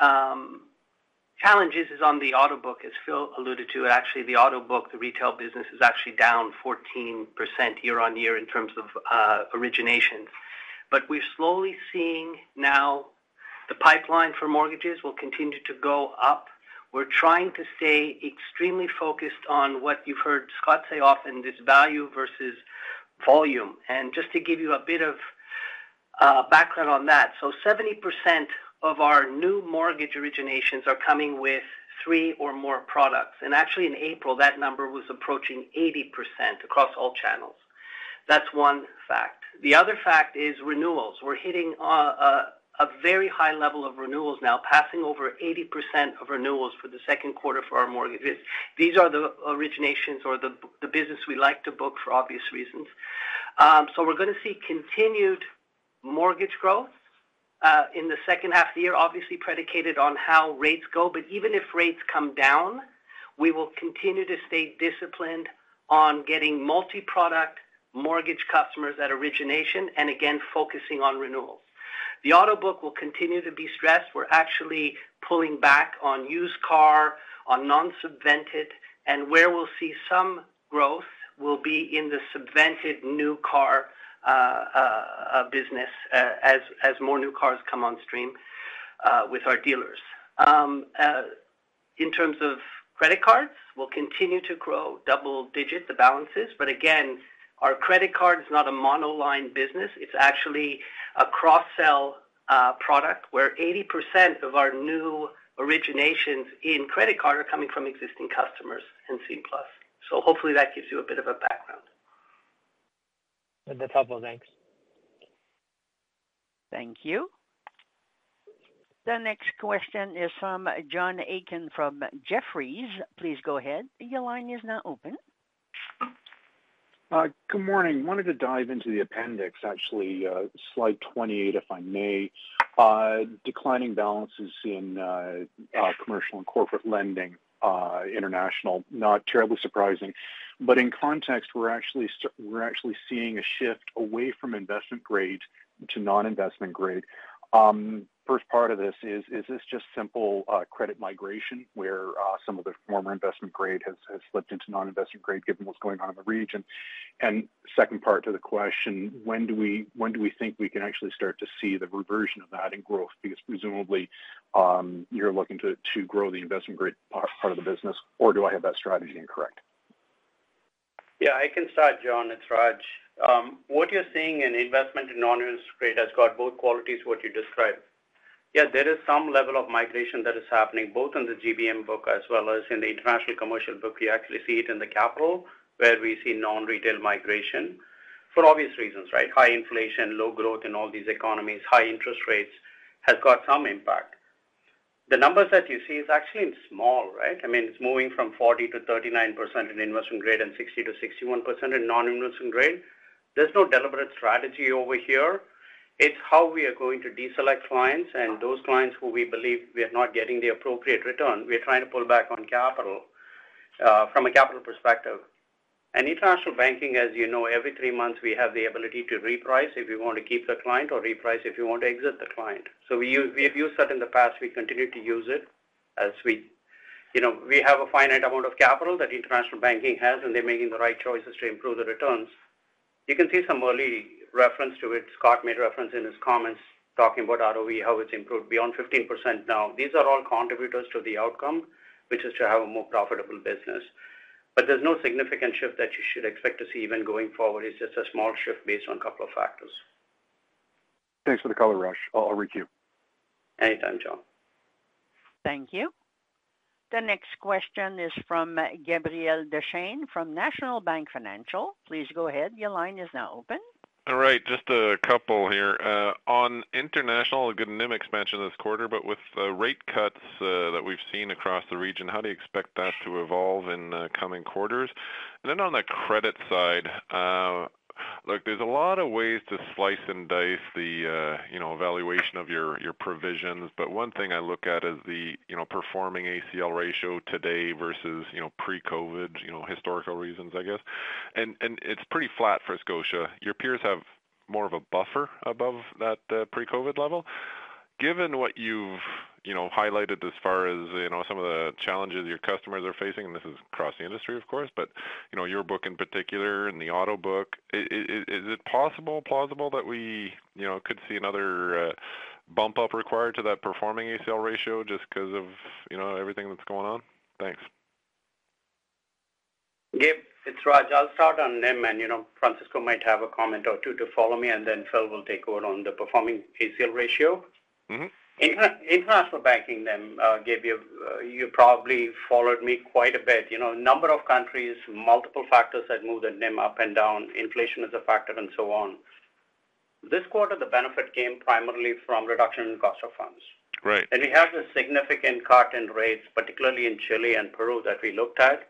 challenges is on the auto book, as Phil alluded to. Actually, the auto book, the retail business, is actually down 14% year-on-year in terms of origination. But we're slowly seeing now the pipeline for mortgages will continue to go up. We're trying to stay extremely focused on what you've heard Scott say often, this value versus volume. And just to give you a bit of background on that: so 70% of our new mortgage originations are coming with three or more products. Actually, in April, that number was approaching 80% across all channels. That's one fact. The other fact is renewals. We're hitting a very high level of renewals now, passing over 80% of renewals for the second quarter for our mortgages. These are the originations or the business we like to book for obvious reasons. So we're going to see continued mortgage growth in the second half of the year, obviously predicated on how rates go. But even if rates come down, we will continue to stay disciplined on getting multiproduct mortgage customers at origination, and again, focusing on renewals. The auto book will continue to be stressed. We're actually pulling back on used car, on non-subvented, and where we'll see some growth will be in the subvented new car business, as more new cars come on stream with our dealers. In terms of credit cards, we'll continue to grow double-digit the balances. But again, our credit card is not a monoline business. It's actually a cross-sell product, where 80% of our new originations in credit card are coming from existing customers in Scene+. So hopefully that gives you a bit of a background. That's helpful. Thanks. Thank you. The next question is from John Aiken from Jefferies. Please go ahead. Your line is now open. Good morning. Wanted to dive into the appendix, actually, slide 28, if I may. Declining balances in commercial and corporate lending, international, not terribly surprising. But in context, we're actually seeing a shift away from investment grade to non-investment grade. First part of this is, is this just simple credit migration, where some of the former investment grade has slipped into non-investment grade given what's going on in the region? And second part to the question, when do we think we can actually start to see the reversion of that in growth? Because presumably, you're looking to grow the investment grade part of the business, or do I have that strategy incorrect? Yeah, I can start, John. It's Raj. What you're seeing in investment and non-investment grade has got both qualities what you described. Yeah, there is some level of migration that is happening, both in the GBM book as well as in the international commercial book. We actually see it in the capital, where we see non-retail migration for obvious reasons, right? High inflation, low growth in all these economies, high interest rates, has got some impact. The numbers that you see is actually small, right? I mean, it's moving from 40%-39% in investment grade and 60%-61% in non-investment grade. There's no deliberate strategy over here. It's how we are going to deselect clients and those clients who we believe we are not getting the appropriate return. We are trying to pull back on capital from a capital perspective. International banking, as you know, every three months, we have the ability to reprice if we want to keep the client or reprice if we want to exit the client. So we use. We have used that in the past. We continue to use it as we do. You know, we have a finite amount of capital that international banking has, and they're making the right choices to improve the returns. You can see some early reference to it. Scott made reference in his comments, talking about ROE, how it's improved beyond 15% now. These are all contributors to the outcome, which is to have a more profitable business. But there's no significant shift that you should expect to see even going forward. It's just a small shift based on a couple of factors. Thanks for the color, Raj. I'll requeue. Anytime, John. Thank you. The next question is from Gabriel Dechaine from National Bank Financial. Please go ahead. Your line is now open. All right, just a couple here. On international, a good NIM expansion this quarter, but with the rate cuts that we've seen across the region, how do you expect that to evolve in the coming quarters? And then on the credit side, look, there's a lot of ways to slice and dice the, you know, evaluation of your, your provisions. But one thing I look at is the, you know, performing ACL ratio today versus, you know, pre-COVID, you know, historical ratios, I guess. And it's pretty flat for Scotia. Your peers have more of a buffer above that pre-COVID level. Given what you've, you know, highlighted as far as, you know, some of the challenges your customers are facing, and this is across the industry, of course, but, you know, your book in particular and the auto book, is it possible, plausible that we, you know, could see another bump up required to that performing ACL ratio just 'cause of, you know, everything that's going on? Thanks. Gabe, it's Raj. I'll start on NIM, and, you know, Francisco might have a comment or two to follow me, and then Phil will take over on the performing ACL ratio. Mm-hmm. International banking then, Gabe, you probably followed me quite a bit. You know, a number of countries, multiple factors that move the NIM up and down, inflation is a factor, and so on. This quarter, the benefit came primarily from reduction in cost of funds. Right. And we have a significant cut in rates, particularly in Chile and Peru, that we looked at.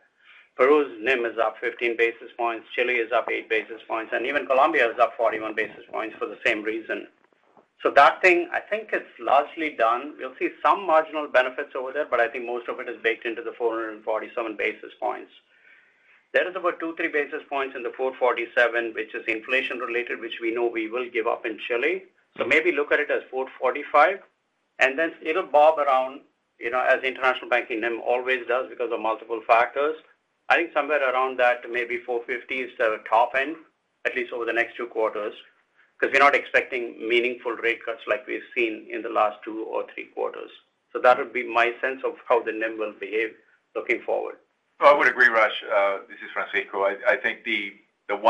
Peru's NIM is up 15 basis points, Chile is up 8 basis points, and even Colombia is up 41 basis points for the same reason. So that thing, I think, is largely done. We'll see some marginal benefits over there, but I think most of it is baked into the 447 basis points. There is about 2-3 basis points in the 447, which is inflation related, which we know we will give up in Chile. So maybe look at it as 445, and then it'll bob around, you know, as international banking NIM always does because of multiple factors. I think somewhere around that, maybe 4.50 is the top end, at least over the next two quarters, 'cause we're not expecting meaningful rate cuts like we've seen in the last two or three quarters. So that would be my sense of how the NIM will behave looking forward. I would agree, Raj. This is Francisco. I think the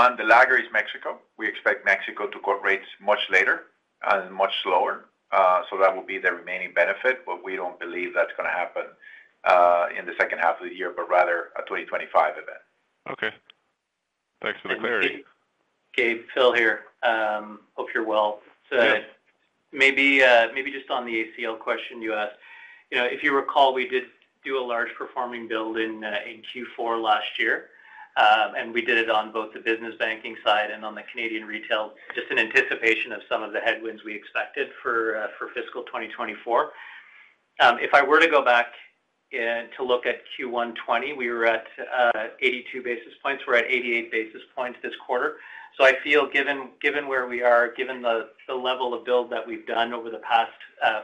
one, the laggard is Mexico. We expect Mexico to cut rates much later and much slower. So that will be the remaining benefit, but we don't believe that's gonna happen in the second half of the year, but rather a 2025 event. Okay. Thanks for the clarity. Gabe, Phil here. Hope you're well. Yeah. So maybe just on the ACL question you asked. You know, if you recall, we did do a large performing build in Q4 last year. And we did it on both the business banking side and on the Canadian retail, just in anticipation of some of the headwinds we expected for fiscal 2024. If I were to go back and to look at Q1 2020, we were at 82 basis points. We're at 88 basis points this quarter. So I feel, given where we are, given the level of build that we've done over the past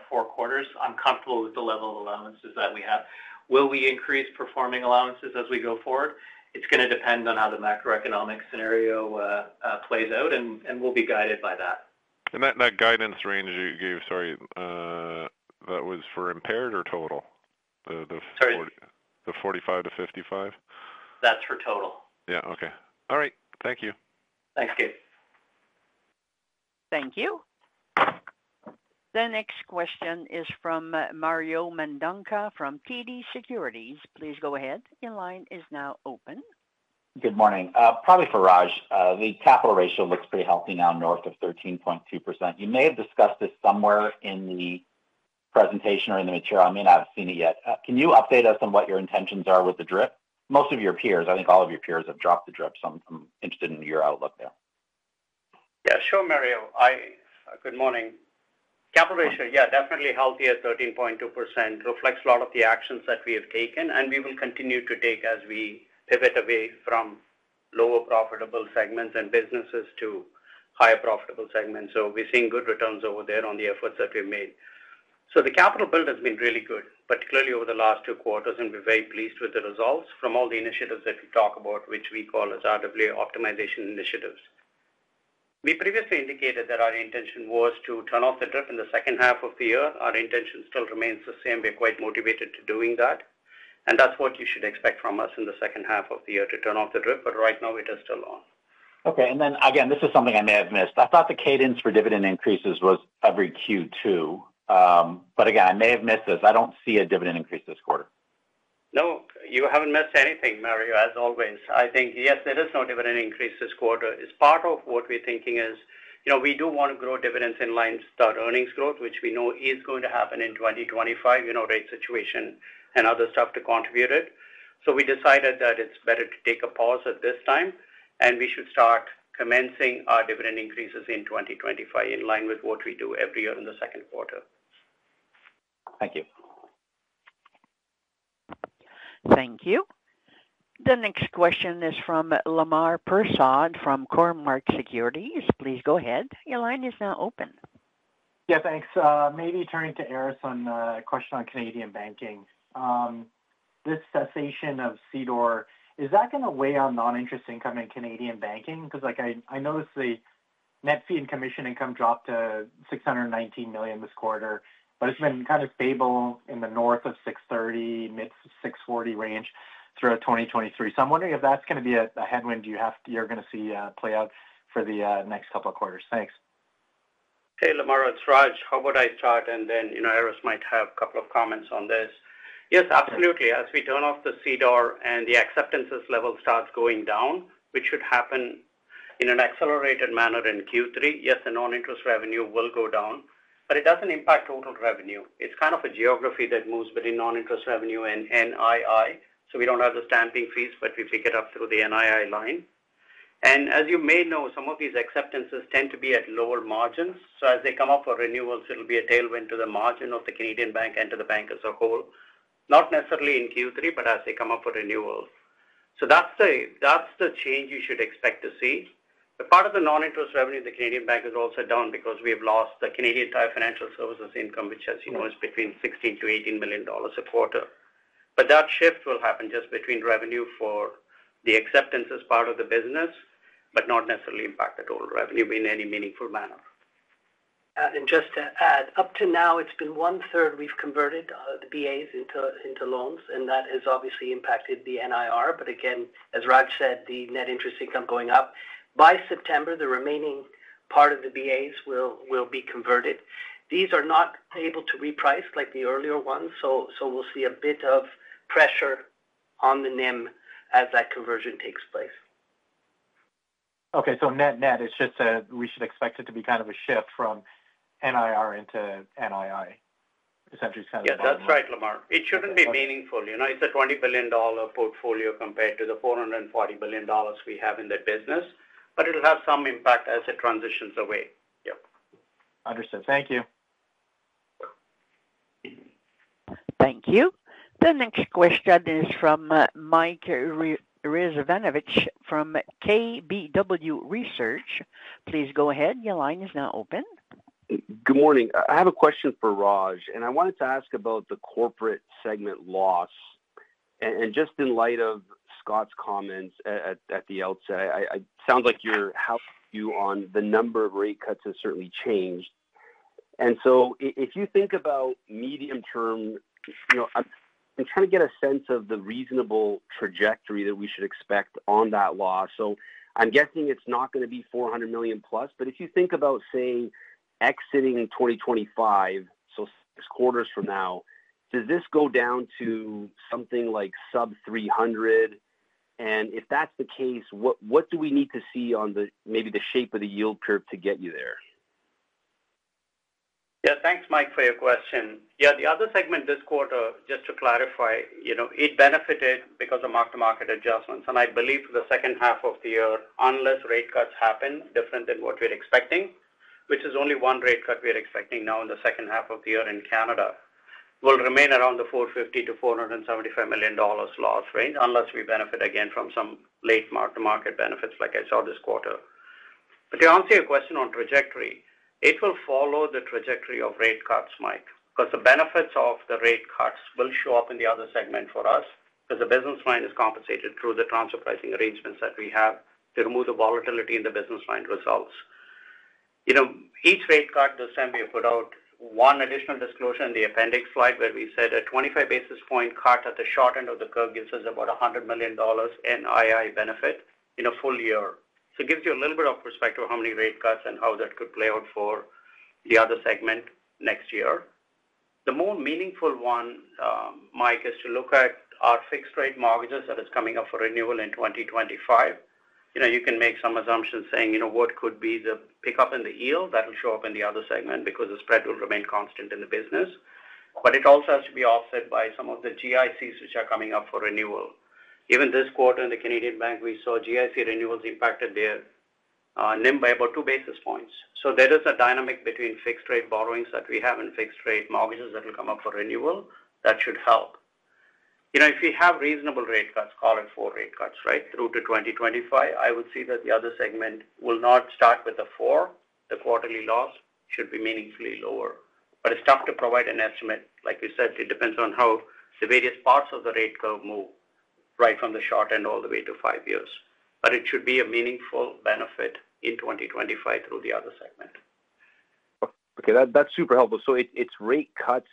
four quarters, I'm comfortable with the level of allowances that we have. Will we increase performing allowances as we go forward? It's gonna depend on how the macroeconomic scenario plays out, and we'll be guided by that. That guidance range you gave, sorry, that was for impaired or total? Sorry. The 45 to 55. That's for total. Yeah, okay. All right. Thank you. Thanks, Gabe. Thank you. The next question is from Mario Mendonca from TD Securities. Please go ahead. Your line is now open. Good morning. Probably for Raj. The capital ratio looks pretty healthy now, north of 13.2%. You may have discussed this somewhere in the presentation or in the material. I may not have seen it yet. Can you update us on what your intentions are with the DRIP? Most of your peers, I think all of your peers, have dropped the DRIP, so I'm, I'm interested in your outlook there. Yeah, sure, Mario. Good morning. Capital ratio, yeah, definitely healthy at 13.2%. Reflects a lot of the actions that we have taken, and we will continue to take as we pivot away from lower profitable segments and businesses to higher profitable segments. So we're seeing good returns over there on the efforts that we've made. So the capital build has been really good, particularly over the last two quarters, and we're very pleased with the results from all the initiatives that we talk about, which we call as RWA optimization initiatives. We previously indicated that our intention was to turn off the drip in the second half of the year. Our intention still remains the same. We're quite motivated to doing that, and that's what you should expect from us in the second half of the year, to turn off the drip. But right now it is still on. Okay, and then again, this is something I may have missed. I thought the cadence for dividend increases was every Q2. But again, I may have missed this. I don't see a dividend increase this quarter. No, you haven't missed anything, Mario, as always. I think, yes, there is no dividend increase this quarter. As part of what we're thinking is, you know, we do want to grow dividends in line with our earnings growth, which we know is going to happen in 2025, you know, rate situation and other stuff to contribute it. So we decided that it's better to take a pause at this time, and we should start commencing our dividend increases in 2025, in line with what we do every year in the second quarter. Thank you. Thank you. The next question is from Lemar Persaud from Cormark Securities. Please go ahead. Your line is now open. Yeah, thanks. Maybe turning to Aris on a question on Canadian banking. This cessation of CDOR, is that going to weigh on non-interest income in Canadian banking? Because, like I, I noticed the net fee and commission income dropped to 619 million this quarter, but it's been kind of stable in the north of 630, mid-640 range throughout 2023. So I'm wondering if that's going to be a headwind you have-- you're going to see play out for the next couple of quarters. Thanks. Hey, Lemar, it's Raj. How about I start, and then, you know, Aris might have a couple of comments on this? Yes, absolutely. As we turn off the CDOR and the acceptances level starts going down, which should happen in an accelerated manner in Q3, yes, the non-interest revenue will go down, but it doesn't impact total revenue. It's kind of a geography that moves between non-interest revenue and NII, so we don't have the stamping fees, but we pick it up through the NII line. And as you may know, some of these acceptances tend to be at lower margins. So as they come up for renewals, it'll be a tailwind to the margin of the Canadian bank and to the bank as a whole. Not necessarily in Q3, but as they come up for renewals. So that's the, that's the change you should expect to see. Part of the non-interest revenue in the Canadian bank is also down because we have lost the Canadian Tire Financial Services income, which, as you know, is between 16 million-18 million dollars a quarter. That shift will happen just between revenue for the acceptance as part of the business, but not necessarily impact the total revenue in any meaningful manner. And just to add, up to now, it's been one third we've converted the BAs into loans, and that has obviously impacted the NIR. But again, as Raj said, the net interest income going up. By September, the remaining part of the BAs will be converted. These are not able to reprice like the earlier ones, so we'll see a bit of pressure on the NIM as that conversion takes place. Okay, so net-net, it's just that we should expect it to be kind of a shift from NIR into NII? Essentially kind of- Yeah, that's right, Lemar. It shouldn't be meaningful. You know, it's a 20 billion dollar portfolio compared to the 440 billion dollars we have in the business, but it'll have some impact as it transitions away. Yep. Understood. Thank you. Thank you. The next question is from Mike Rizvanovic from KBW Research. Please go ahead. Your line is now open. Good morning. I have a question for Raj, and I wanted to ask about the corporate segment loss. And just in light of Scott's comments at the RBC conference, sounds like your view on the number of rate cuts has certainly changed. And so if you think about medium term, you know, I'm trying to get a sense of the reasonable trajectory that we should expect on that loss. So I'm guessing it's not going to be 400 million plus, but if you think about, say, exiting in 2025, so six quarters from now, does this go down to something like sub 300? And if that's the case, what do we need to see on the, maybe the shape of the yield curve to get you there? Yeah. Thanks, Mike, for your question. Yeah, the other segment this quarter, just to clarify, you know, it benefited because of mark-to-market adjustments. And I believe for the second half of the year, unless rate cuts happen different than what we're expecting, which is only one rate cut we are expecting now in the second half of the year in Canada, will remain around the 450 million-475 million dollars loss range, unless we benefit again from some late mark-to-market benefits like I saw this quarter. But to answer your question on trajectory, it will follow the trajectory of rate cuts, Mike, because the benefits of the rate cuts will show up in the other segment for us, because the business line is compensated through the transfer pricing arrangements that we have to remove the volatility in the business line results. You know, each rate cut this time, we put out one additional disclosure in the appendix slide, where we said a 25 basis point cut at the short end of the curve gives us about 100 million dollars NII benefit in a full year. So it gives you a little bit of perspective on how many rate cuts and how that could play out for the other segment next year. The more meaningful one, Mike, is to look at our fixed rate mortgages that is coming up for renewal in 2025. You know, you can make some assumptions saying, you know, what could be the pickup in the yield? That will show up in the other segment because the spread will remain constant in the business, but it also has to be offset by some of the GICs which are coming up for renewal. Even this quarter in the Canadian bank, we saw GIC renewals impacted their NIM by about two basis points. So there is a dynamic between fixed rate borrowings that we have and fixed rate mortgages that will come up for renewal. That should help. You know, if you have reasonable rate cuts, call it four rate cuts, right, through to 2025, I would see that the other segment will not start with a four. The quarterly loss should be meaningfully lower, but it's tough to provide an estimate. Like you said, it depends on how the various parts of the rate curve move right from the short end all the way to five years. But it should be a meaningful benefit in 2025 through the other segment. Okay, that's super helpful. So it's rate cuts,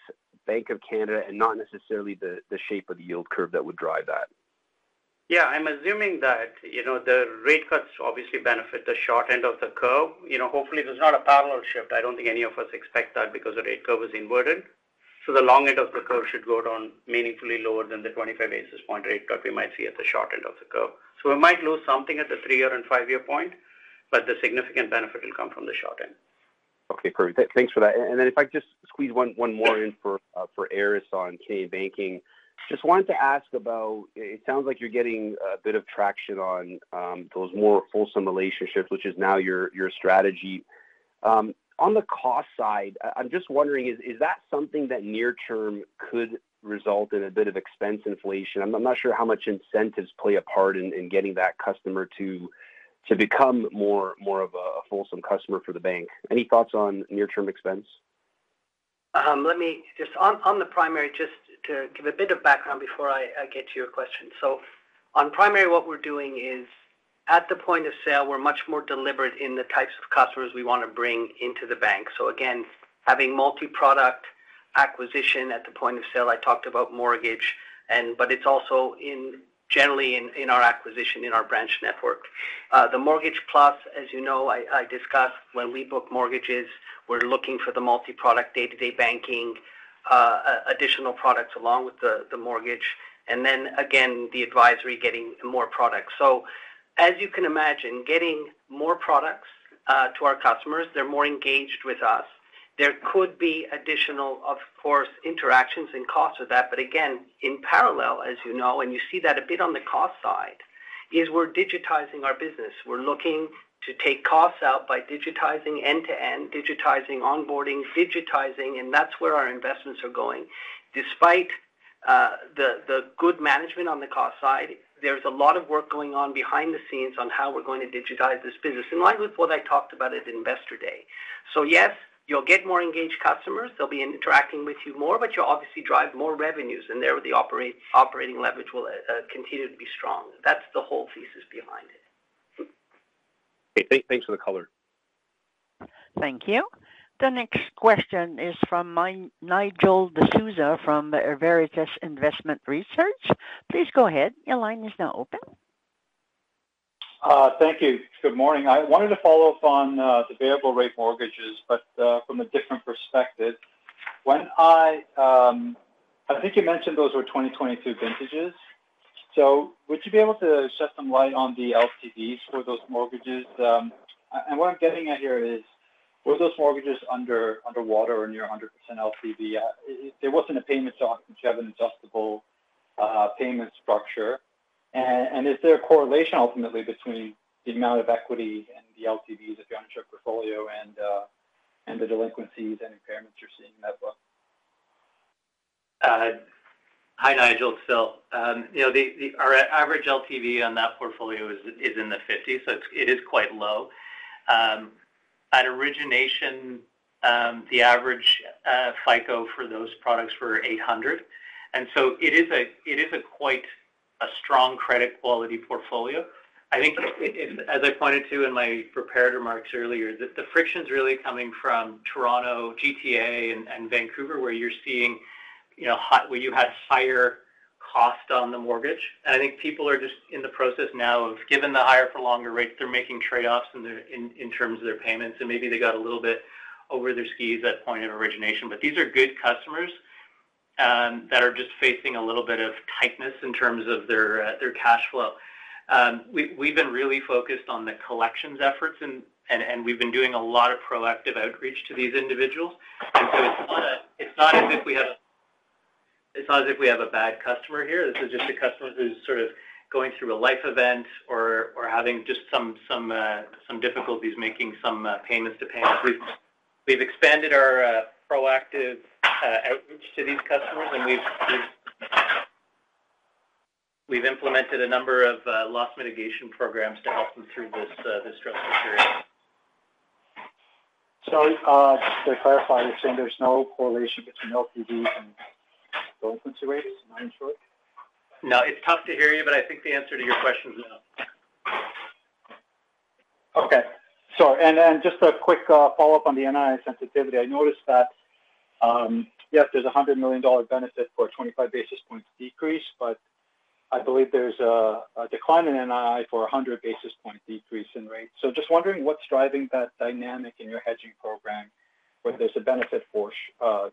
Bank of Canada, and not necessarily the shape of the yield curve that would drive that? Yeah, I'm assuming that, you know, the rate cuts obviously benefit the short end of the curve. You know, hopefully, there's not a parallel shift. I don't think any of us expect that because the rate curve is inverted. So the long end of the curve should go down meaningfully lower than the 25 basis point rate cut we might see at the short end of the curve. So we might lose something at the three-year and five-year point, but the significant benefit will come from the short end. Okay, perfect. Thanks for that. And then if I could just squeeze one more in for Aris on Canadian banking. Just wanted to ask about... It sounds like you're getting a bit of traction on those more fulsome relationships, which is now your strategy. On the cost side, I'm just wondering, is that something that near term could result in a bit of expense inflation? I'm not sure how much incentives play a part in getting that customer to become more of a fulsome customer for the bank. Any thoughts on near-term expense? Let me just on the primary, just to give a bit of background before I get to your question. So on primary, what we're doing is, at the point of sale, we're much more deliberate in the types of customers we want to bring into the bank. So again, having multi-product acquisition at the point of sale, I talked about mortgage, and but it's also in generally in our acquisition, in our branch network. The mortgage plus, as you know, I discussed when we book mortgages, we're looking for the multi-product, day-to-day banking, additional products along with the mortgage, and then again, the advisory getting more products. So as you can imagine, getting more products to our customers, they're more engaged with us. There could be additional, of course, interactions and costs with that. But again, in parallel, as you know, and you see that a bit on the cost side, is we're digitizing our business. We're looking to take costs out by digitizing end-to-end, digitizing onboarding, digitizing, and that's where our investments are going. Despite the good management on the cost side, there's a lot of work going on behind the scenes on how we're going to digitize this business, in line with what I talked about at Investor Day. So yes, you'll get more engaged customers, they'll be interacting with you more, but you'll obviously drive more revenues, and there the operating leverage will continue to be strong. That's the whole thesis behind it. Hey, thanks for the color. Thank you. The next question is from Nigel D'Souza from the Veritas Investment Research. Please go ahead. Your line is now open. Thank you. Good morning. I wanted to follow up on the variable rate mortgages, but from a different perspective. When I think you mentioned those were 2022 vintages. So would you be able to shed some light on the LTVs for those mortgages? And what I'm getting at here is, were those mortgages underwater or near a 100% LTV? There wasn't a payment shock, since you have an adjustable payment structure. And is there a correlation ultimately between the amount of equity and the LTVs, if you're on your portfolio and the delinquencies and impairments you're seeing in that book? Hi, Nigel. Phil, you know, our average LTV on that portfolio is in the fifties, so it's quite low. At origination, the average FICO for those products were 800, and so it is quite a strong credit quality portfolio. I think it, as I pointed to in my prepared remarks earlier, the friction's really coming from Toronto, GTA, and Vancouver, where you're seeing, you know, higher cost on the mortgage. And I think people are just in the process now of giving the higher for longer rates. They're making trade-offs in their terms of their payments, and maybe they got a little bit over their skis at point of origination. But these are good customers that are just facing a little bit of tightness in terms of their cash flow. We've been really focused on the collections efforts and we've been doing a lot of proactive outreach to these individuals. So it's not as if we have a bad customer here. This is just a customer who's sort of going through a life event or having just some difficulties making some payments to pay off. We've expanded our proactive outreach to these customers, and we've implemented a number of loss mitigation programs to help them through this stressful period. To clarify, you're saying there's no correlation between LTV and delinquency rates, am I sure? No, it's tough to hear you, but I think the answer to your question is no. Okay. So just a quick follow-up on the NII sensitivity. I noticed that, yes, there's a 100 million dollar benefit for a 25 basis points decrease, but I believe there's a decline in NII for a 100 basis point decrease in rate. So just wondering what's driving that dynamic in your hedging program, where there's a benefit for a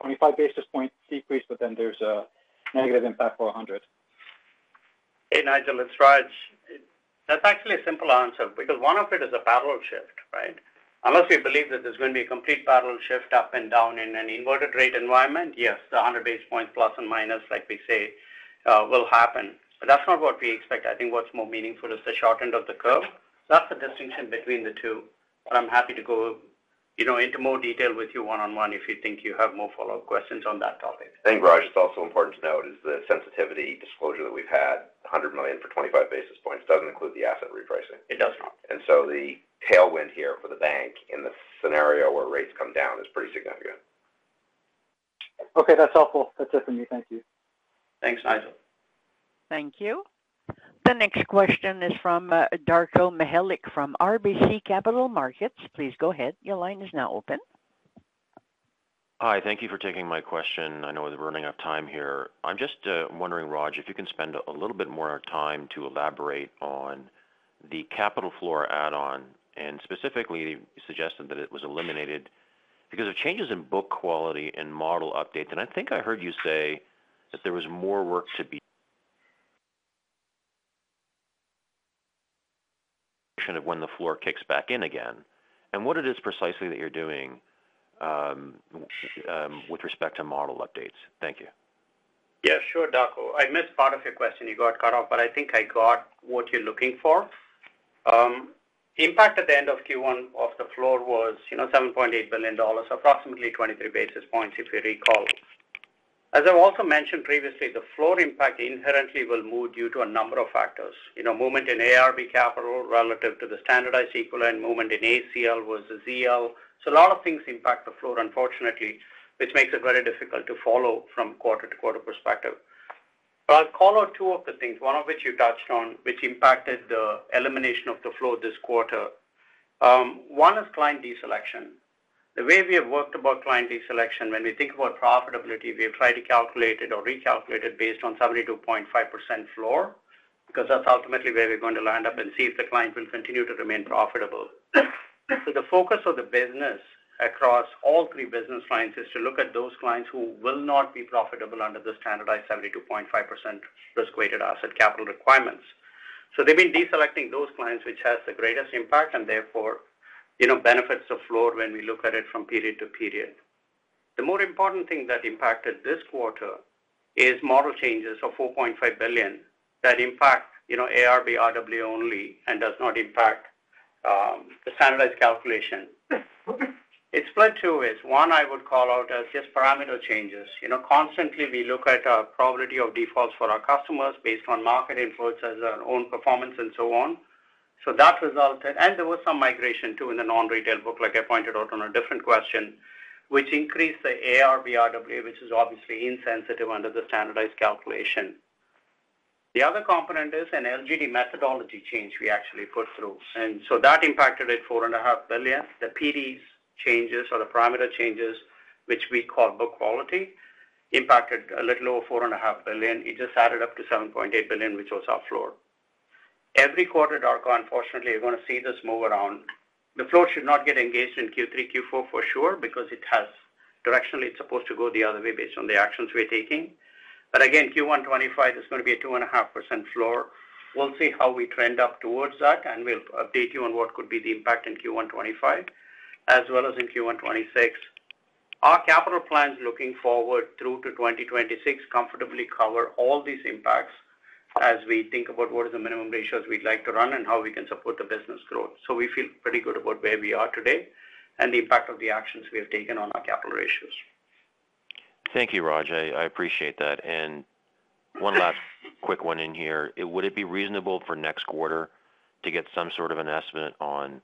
25 basis point decrease, but then there's a negative impact for a 100? Hey, Nigel, it's Raj. That's actually a simple answer, because one of it is a parallel shift, right? Unless we believe that there's going to be a complete parallel shift up and down in an inverted rate environment, yes, the 100 basis points, ±, like we say, will happen, but that's not what we expect. I think what's more meaningful is the short end of the curve. That's the distinction between the two, but I'm happy to go, you know, into more detail with you one-on-one if you think you have more follow-up questions on that topic. Raj, it's also important to note is the sensitivity disclosure that we've had, 100 million for 25 basis points doesn't include the asset repricing. It does not. The tailwind here for the bank in the scenario where rates come down is pretty significant. Okay, that's helpful. That's it for me. Thank you. Thanks, Nigel. Thank you. The next question is from Darko Mihelic from RBC Capital Markets. Please go ahead. Your line is now open. Hi, thank you for taking my question. I know we're running out of time here. I'm just wondering, Raj, if you can spend a little bit more time to elaborate on the capital floor add-on, and specifically, you suggested that it was eliminated because of changes in book quality and model updates, and I think I heard you say that there was more work to be of when the floor kicks back in again, and what it is precisely that you're doing with respect to model updates. Thank you.... Yeah, sure, Darko. I missed part of your question. You got cut off, but I think I got what you're looking for. The impact at the end of Q1 of the floor was, you know, 7.8 billion dollars, approximately 23 basis points, if you recall. As I've also mentioned previously, the floor impact inherently will move due to a number of factors. You know, movement in AIRB capital relative to the standardized equivalent, movement in ACL versus EL. So a lot of things impact the floor, unfortunately, which makes it very difficult to follow from quarter-to-quarter perspective. But I'll call out two of the things, one of which you touched on, which impacted the elimination of the floor this quarter. One is client deselection. The way we have worked about client deselection, when we think about profitability, we have tried to calculate it or recalculate it based on 72.5% floor, because that's ultimately where we're going to land up and see if the client will continue to remain profitable. So the focus of the business across all three business lines is to look at those clients who will not be profitable under the standardized 72.5% risk-weighted asset capital requirements. So they've been deselecting those clients, which has the greatest impact, and therefore, you know, benefits the floor when we look at it from period to period. The more important thing that impacted this quarter is model changes of 4.5 billion that impact, you know, AIRB RWA only and does not impact the standardized calculation. It's split two ways. One, I would call out as just parameter changes. You know, constantly, we look at our probability of defaults for our customers based on market influences, our own performance, and so on. So that resulted. And there was some migration, too, in the non-retail book, like I pointed out on a different question, which increased the ARB RWA, which is obviously insensitive under the standardized calculation. The other component is an LGD methodology change we actually put through, and so that impacted it 4.5 billion. The PDs changes or the parameter changes, which we call book quality, impacted a little over 4.5 billion. It just added up to 7.8 billion, which was our floor. Every quarter, Darko, unfortunately, you're going to see this move around. The floor should not get engaged in Q3, Q4 for sure, because it directionally, it's supposed to go the other way based on the actions we're taking. But again, Q1 2025 is going to be a 2.5% floor. We'll see how we trend up towards that, and we'll update you on what could be the impact in Q1 2025, as well as in Q1 2026. Our capital plans looking forward through to 2026 comfortably cover all these impacts as we think about what are the minimum ratios we'd like to run and how we can support the business growth. So we feel pretty good about where we are today and the impact of the actions we have taken on our capital ratios. Thank you, Raj. I, I appreciate that. One last quick one in here. Would it be reasonable for next quarter to get some sort of an estimate on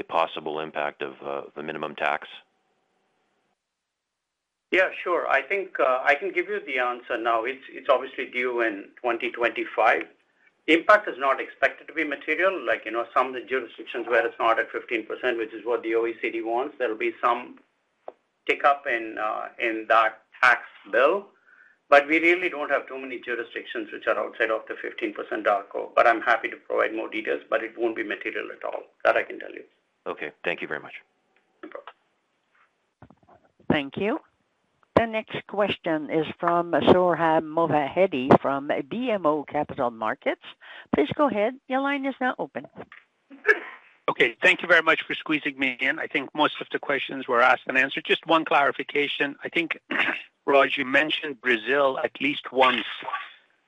the possible impact of the minimum tax? Yeah, sure. I think, I can give you the answer now. It's, it's obviously due in 2025. The impact is not expected to be material, like, you know, some of the jurisdictions where it's not at 15%, which is what the OECD wants. There'll be some tick up in, in that tax bill, but we really don't have too many jurisdictions which are outside of the 15%, Darko, but I'm happy to provide more details, but it won't be material at all. That I can tell you. Okay. Thank you very much. Thank you. The next question is from Sohrab Movahedi from BMO Capital Markets. Please go ahead. Your line is now open. Okay, thank you very much for squeezing me in. I think most of the questions were asked and answered. Just one clarification. I think, Raj, you mentioned Brazil at least once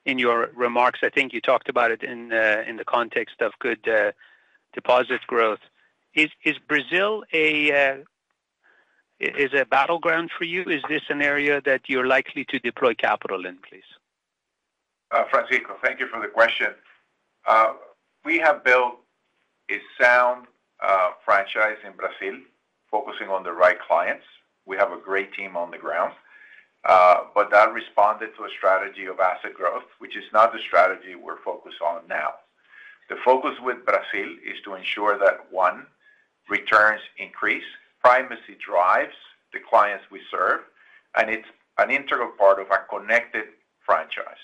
in your remarks. I think you talked about it in the context of good deposit growth. Is Brazil a battleground for you? Is this an area that you're likely to deploy capital in, please? Francisco, thank you for the question. We have built a sound franchise in Brazil, focusing on the right clients. We have a great team on the ground, but that responded to a strategy of asset growth, which is not the strategy we're focused on now. The focus with Brazil is to ensure that, one, returns increase, primacy drives the clients we serve, and it's an integral part of our connected franchise.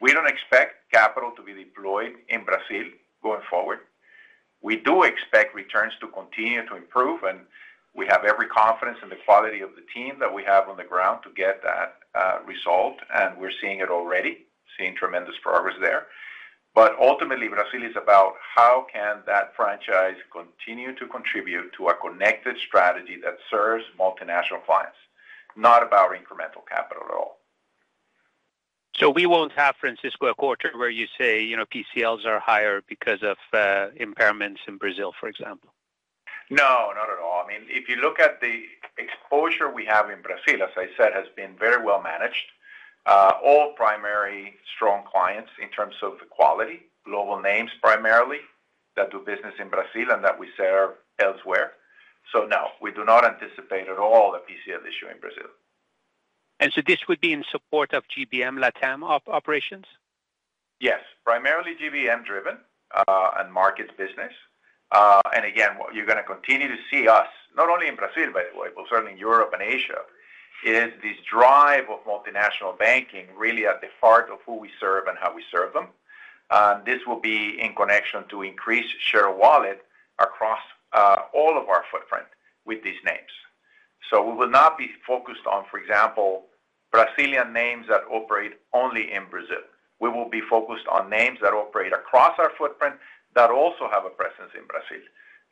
We don't expect capital to be deployed in Brazil going forward. We do expect returns to continue to improve, and we have every confidence in the quality of the team that we have on the ground to get that result, and we're seeing it already, seeing tremendous progress there. Ultimately, Brazil is about how can that franchise continue to contribute to a connected strategy that serves multinational clients, not about incremental capital at all. So we won't have, Francisco, a quarter where you say, you know, PCLs are higher because of impairments in Brazil, for example? No, not at all. I mean, if you look at the exposure we have in Brazil, as I said, has been very well managed. All primary strong clients in terms of the quality, global names primarily, that do business in Brazil and that we serve elsewhere. So no, we do not anticipate at all a PCL issue in Brazil. This would be in support of GBM LATAM operations? Yes, primarily GBM driven, and markets business. And again, what you're going to continue to see us, not only in Brazil, by the way, but certainly in Europe and Asia, is this drive of multinational banking really at the heart of who we serve and how we serve them. This will be in connection to increase share of wallet across, all of our footprint with these names. So we will not be focused on, for example, Brazilian names that operate only in Brazil. We will be focused on names that operate across our footprint that also have a presence in Brazil,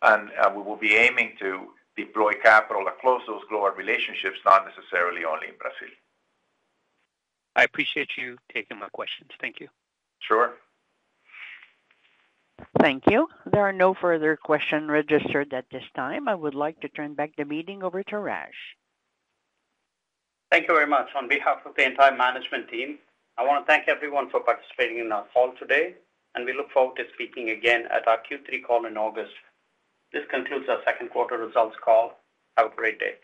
and we will be aiming to deploy capital to close those global relationships, not necessarily only in Brazil. I appreciate you taking my questions. Thank you. Sure. Thank you. There are no further questions registered at this time. I would like to turn the meeting back over to Raj. Thank you very much. On behalf of the entire management team, I want to thank everyone for participating in our call today, and we look forward to speaking again at our Q3 call in August. This concludes our second quarter results call. Have a great day.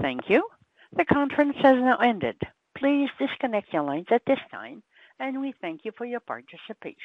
Thank you. The conference has now ended. Please disconnect your lines at this time, and we thank you for your participation.